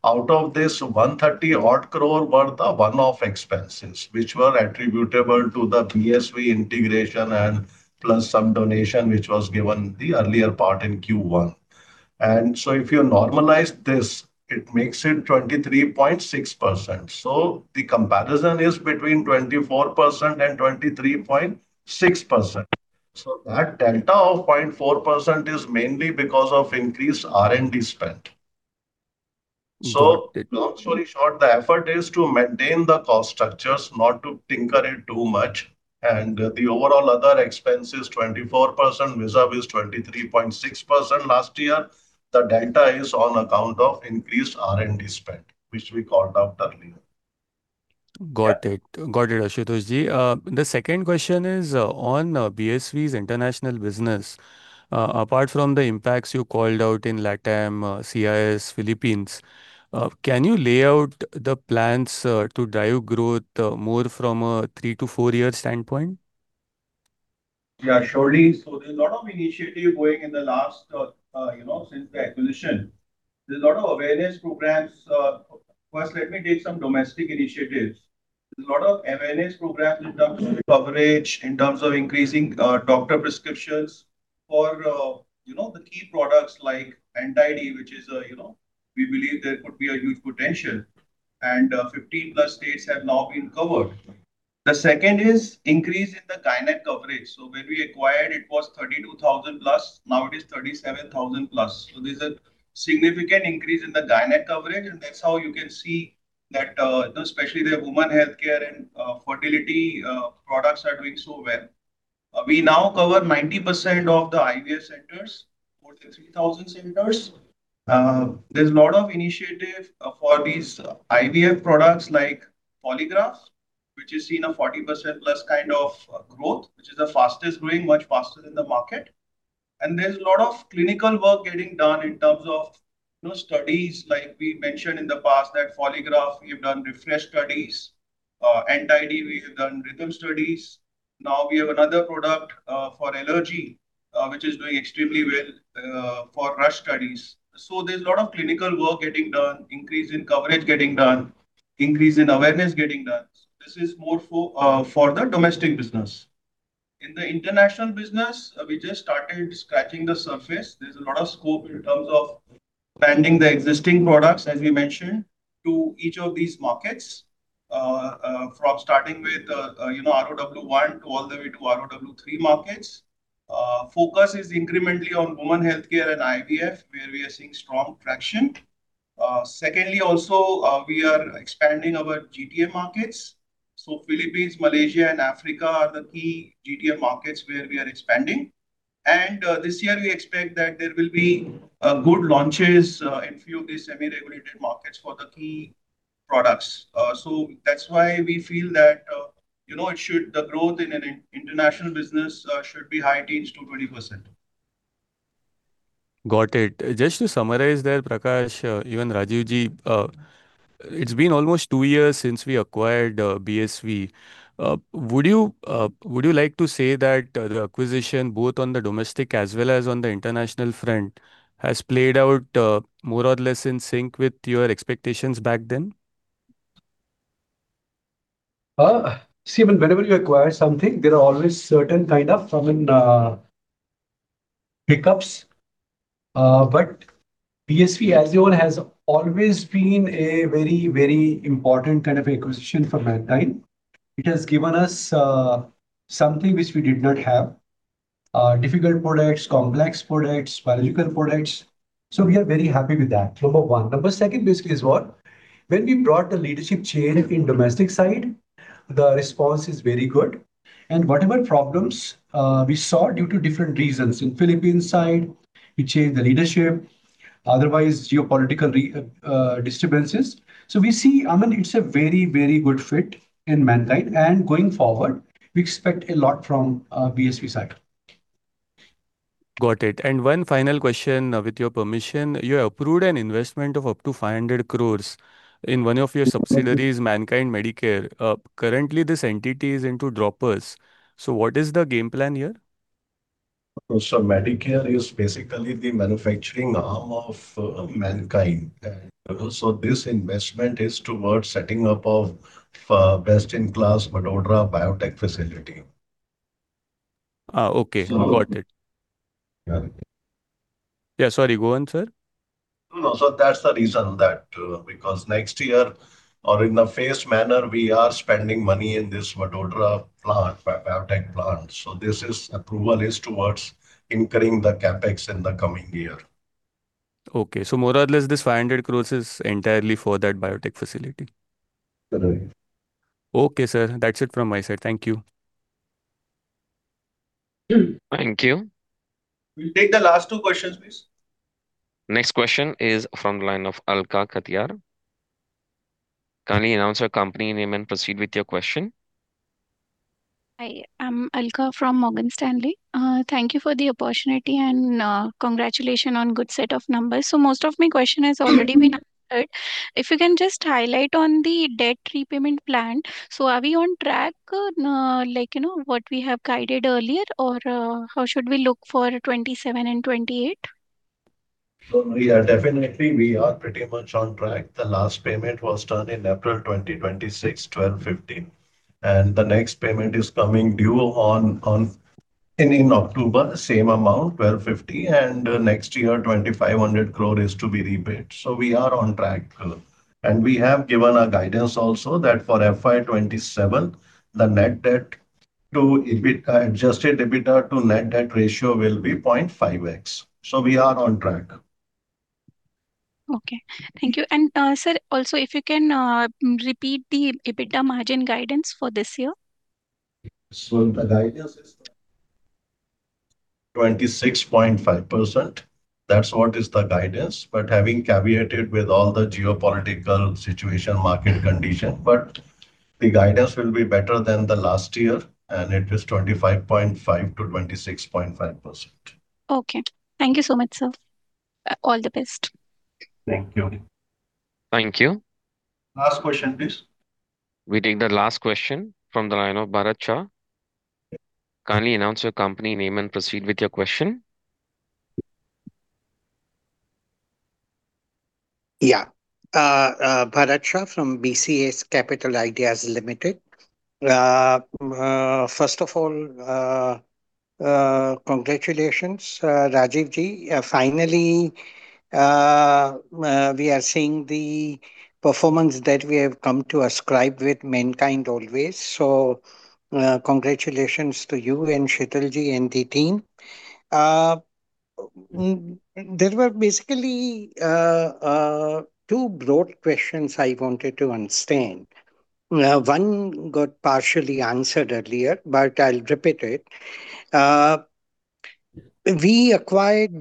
Out of this, 130 odd crore were the one-off expenses which were attributable to the BSV integration and plus some donation which was given the earlier part in Q1. If you normalize this, it makes it 23.6%. The comparison is between 24% and 23.6%. That delta of 0.4% is mainly because of increased R&D spend. Long story short, the effort is to maintain the cost structures, not to tinker it too much. The overall other expense is 24% vis-a-vis 23.6% last year. The delta is on account of increased R&D spend, which we called out earlier. Got it. Got it, Ashutosh Ji. The second question is on BSV's international business. Apart from the impacts you called out in LATAM, CIS, Philippines, can you lay out the plans to drive growth more from a three to four year standpoint? Yeah, surely. There's a lot of initiative going in the last, you know, since the acquisition. There's a lot of awareness programs. First let me take some domestic initiatives. There's a lot of awareness programs in terms of coverage, in terms of increasing doctor prescriptions for, you know, the key products like Anti-D, which is, you know, we believe there could be a huge potential and 15+ states have now been covered. The second is increase in the gynac coverage. When we acquired it was 32,000+, now it is 37,000+. There's a significant increase in the gynac coverage, and that's how you can see that especially the woman healthcare and fertility products are doing so well. We now cover 90% of the IVF centers, more than 3,000 centers. There's a lot of initiative for these IVF products like Foligraf, which has seen a 40% plus kind of growth, which is the fastest growing, much faster than the market. There's a lot of clinical work getting done in terms of, you know, studies like we mentioned in the past that Foligraf, we've done refresh studies. Anti-D, we have done Rh studies. We have another product for allergy, which is doing extremely well for rush studies. There's a lot of clinical work getting done, increase in coverage getting done, increase in awareness getting done. This is more for the domestic business. The international business, we just started scratching the surface. There's a lot of scope in terms of landing the existing products, as we mentioned, to each of these markets. From starting with, you know, ROW 1 to all the way to ROW 3 markets. Focus is incrementally on woman healthcare and IVF, where we are seeing strong traction. Secondly, also, we are expanding our GTA markets, so Philippines, Malaysia and Africa are the key GTA markets where we are expanding. This year we expect that there will be good launches in few of these semi-regulated markets for the key products. That's why we feel that, you know, The growth in international business should be high teens to 20%. Got it. Just to summarize there, Prakash, even Rajeev ji, it's been almost two years since we acquired BSV. Would you like to say that the acquisition both on the domestic as well as on the international front has played out more or less in sync with your expectations back then? See, whenever you acquire something, there are always certain kind of, I mean, hiccups. BSV as its own has always been a very, very important kind of acquisition for Mankind. It has given us something which we did not have. Difficult products, complex products, biological products, we are very happy with that, number one. Number second basically is what? When we brought the leadership chain in domestic side, the response is very good. Whatever problems we saw due to different reasons. In Philippines side, we changed the leadership, otherwise geopolitical disturbances. We see, I mean, it's a very, very good fit in Mankind and going forward, we expect a lot from BSV side. Got it. One final question, with your permission. You approved an investment of up to 500 crores in one of your subsidiaries, Mankind Medicare. Currently this entity is into droppers. What is the game plan here? Medicare is basically the manufacturing arm of Mankind. This investment is towards setting up of best-in-class Vadodara biotech facility. Okay. Got it. Yeah. Yeah, sorry. Go on, sir. No, that's the reason that because next year or in a phased manner, we are spending money in this Vadodara plant, biotech plant. This approval is towards incurring the CapEx in the coming year. Okay. more or less this 500 crores is entirely for that biotech facility. Correct. Okay, sir. That's it from my side. Thank you. Thank you. We'll take the last two questions, please. Next question is from the line of Alka Katiyar. Kindly announce your company name and proceed with your question. Hi, I'm Alka from Morgan Stanley. Thank you for the opportunity and congratulations on good set of numbers. Most of my question has already been answered. If you can just highlight on the debt repayment plan. Are we on track, like, you know, what we have guided earlier or how should we look for 2027 and 2028? We are pretty much on track. The last payment was done in April 2026, 1,250, and the next payment is coming due ending October, same amount, 1,250, and next year 2,500 crore is to be repaid. We are on track. We have given a guidance also that for FY 2027, Adjusted EBITDA to net debt ratio will be 0.5x. We are on track. Okay. Thank you. Sir, also if you can repeat the EBITDA margin guidance for this year? The guidance is 26.5%. That's what is the guidance, but having caveated with all the geopolitical situation, market condition. The guidance will be better than the last year, and it is 25.5%-26.5%. Okay. Thank you so much, sir. All the best. Thank you. Thank you. Last question, please. We take the last question from the line of Bharat Shah. Kindly announce your company name and proceed with your question. Bharat Shah from BCS Capital Ideas Limited. First of all, congratulations, Rajeev ji. Finally, we are seeing the performance that we have come to ascribe with Mankind always. Congratulations to you and sheetal ji and the team. There were basically two broad questions I wanted to understand. One got partially answered earlier, but I'll repeat it. We acquired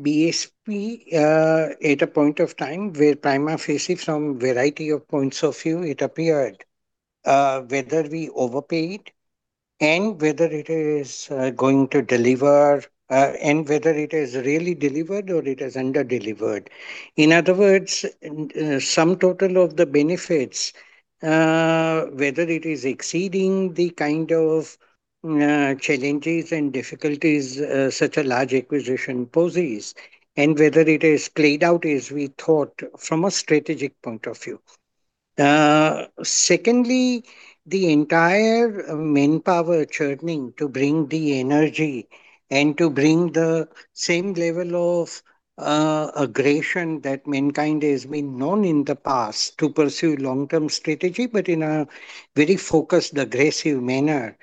BSV at a point of time where prima facie from variety of points of view, it appeared whether we overpaid and whether it is going to deliver and whether it has really delivered or it has under-delivered. In other words, sum total of the benefits, whether it is exceeding the kind of challenges and difficulties, such a large acquisition poses, and whether it has played out as we thought from a strategic point of view. Secondly, the entire manpower churning to bring the energy and to bring the same level of aggression that Mankind has been known in the past to pursue long-term strategy, but in a very focused, aggressive manner.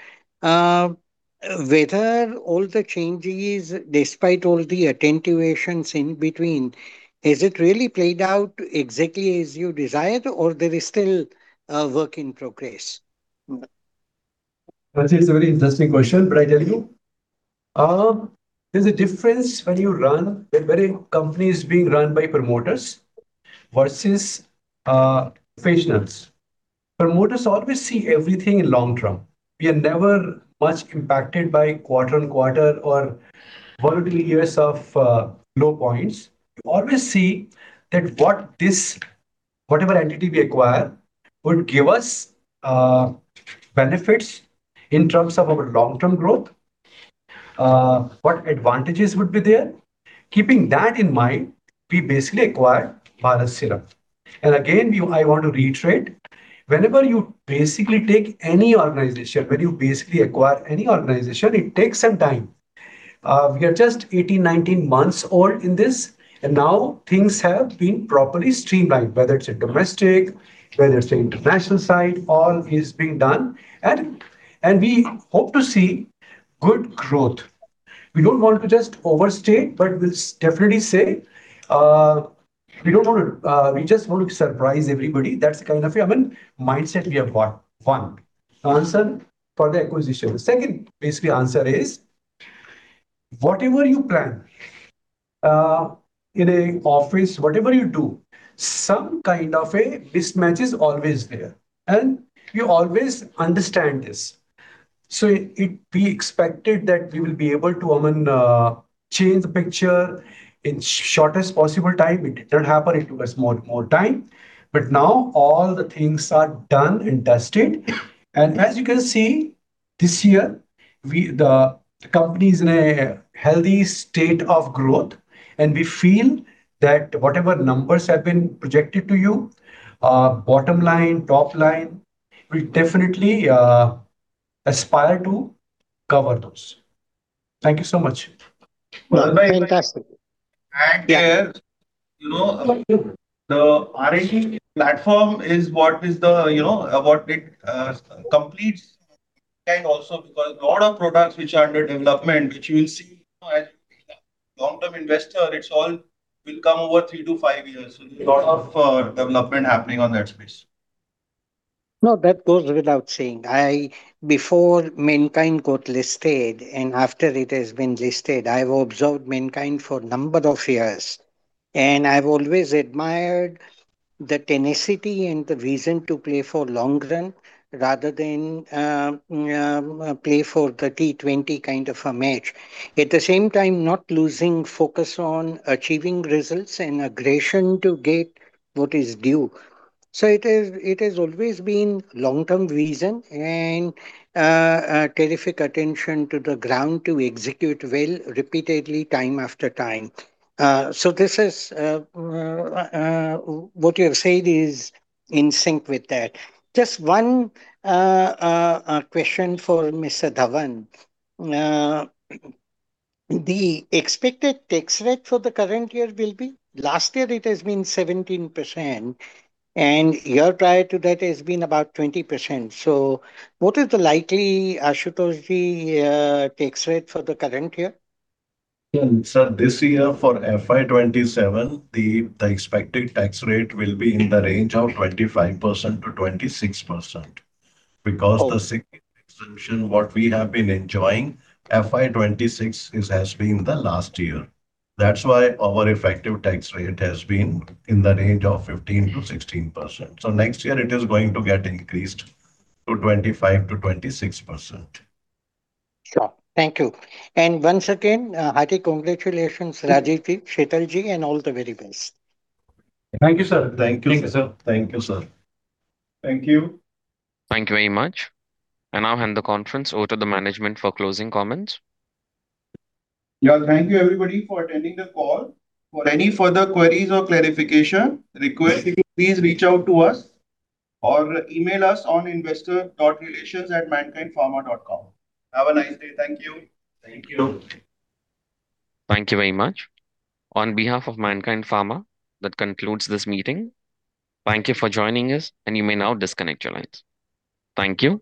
Whether all the changes, despite all the attenuations in between, has it really played out exactly as you desired, or there is still work in progress? That is a very interesting question. I tell you, there's a difference when very company is being run by promoters versus professionals. Promoters always see everything in long term. We are never much impacted by quarter-on-quarter or volatility years of low points. We always see that whatever entity we acquire would give us benefits in terms of our long-term growth, what advantages would be there. Keeping that in mind, we basically acquired Bharat Serums. Again, we, I want to reiterate, whenever you basically take any organization, when you basically acquire any organization, it takes some time. We are just 18, 19 months old in this, and now things have been properly streamlined, whether it's a domestic, whether it's the international side, all is being done. We hope to see good growth. We don't want to just overstate, but we'll definitely say, we don't wanna, we just want to surprise everybody. That's the kind of, I mean, mindset we have won. Answer for the acquisition. Second basically answer is, whatever you plan, in an office, whatever you do, some kind of a mismatch is always there, and you always understand this. It, we expected that we will be able to, I mean, change the picture in shortest possible time. It didn't happen, it took us more time. Now all the things are done and dusted. As you can see, this year, we, the company's in a healthy state of growth, and we feel that whatever numbers have been projected to you, bottom line, top line, we definitely aspire to cover those. Thank you so much. Fantastic. You know, the platform is what is the, you know, what it completes and also because lot of products which are under development, which you will see as long-term investor, it's all will come over three to five years. There's a lot of development happening on that space. No, that goes without saying. I, before Mankind got listed and after it has been listed, I've observed Mankind for a number of years, and I've always admired the tenacity and the reason to play for long run rather than play for 30-20 kind of a match. At the same time, not losing focus on achieving results and aggression to get what is due. It has always been long-term vision and terrific attention to the ground to execute well repeatedly time after time. This is what you have said is in sync with that. Just one question for Mr. Dhawan. The expected tax rate for the current year will be? Last year it has been 17%, and year prior to that has been about 20%. What is the likely, Ashutosh ji, tax rate for the current year? This year for FY 2027, the expected tax rate will be in the range of 25%-26%. Oh. The significant exemption, what we have been enjoying, FY 2026 has been the last year. That's why our effective tax rate has been in the range of 15%-16%. Next year it is going to get increased to 25%-26%. Sure. Thank you. Once again, hearty congratulations, Rajeev ji, Sheetal ji, and all the very best. Thank you, sir. Thank you, sir. Thank you, sir. Thank you, sir. Thank you. Thank you very much. I now hand the conference over to the management for closing comments. Yeah. Thank you everybody for attending the call. For any further queries or clarification requests, you can please reach out to us or email us on investor.relations@mankindpharma.com. Have a nice day. Thank you. Thank you. Thank you very much. On behalf of Mankind Pharma, that concludes this meeting. Thank you for joining us, and you may now disconnect your lines. Thank you.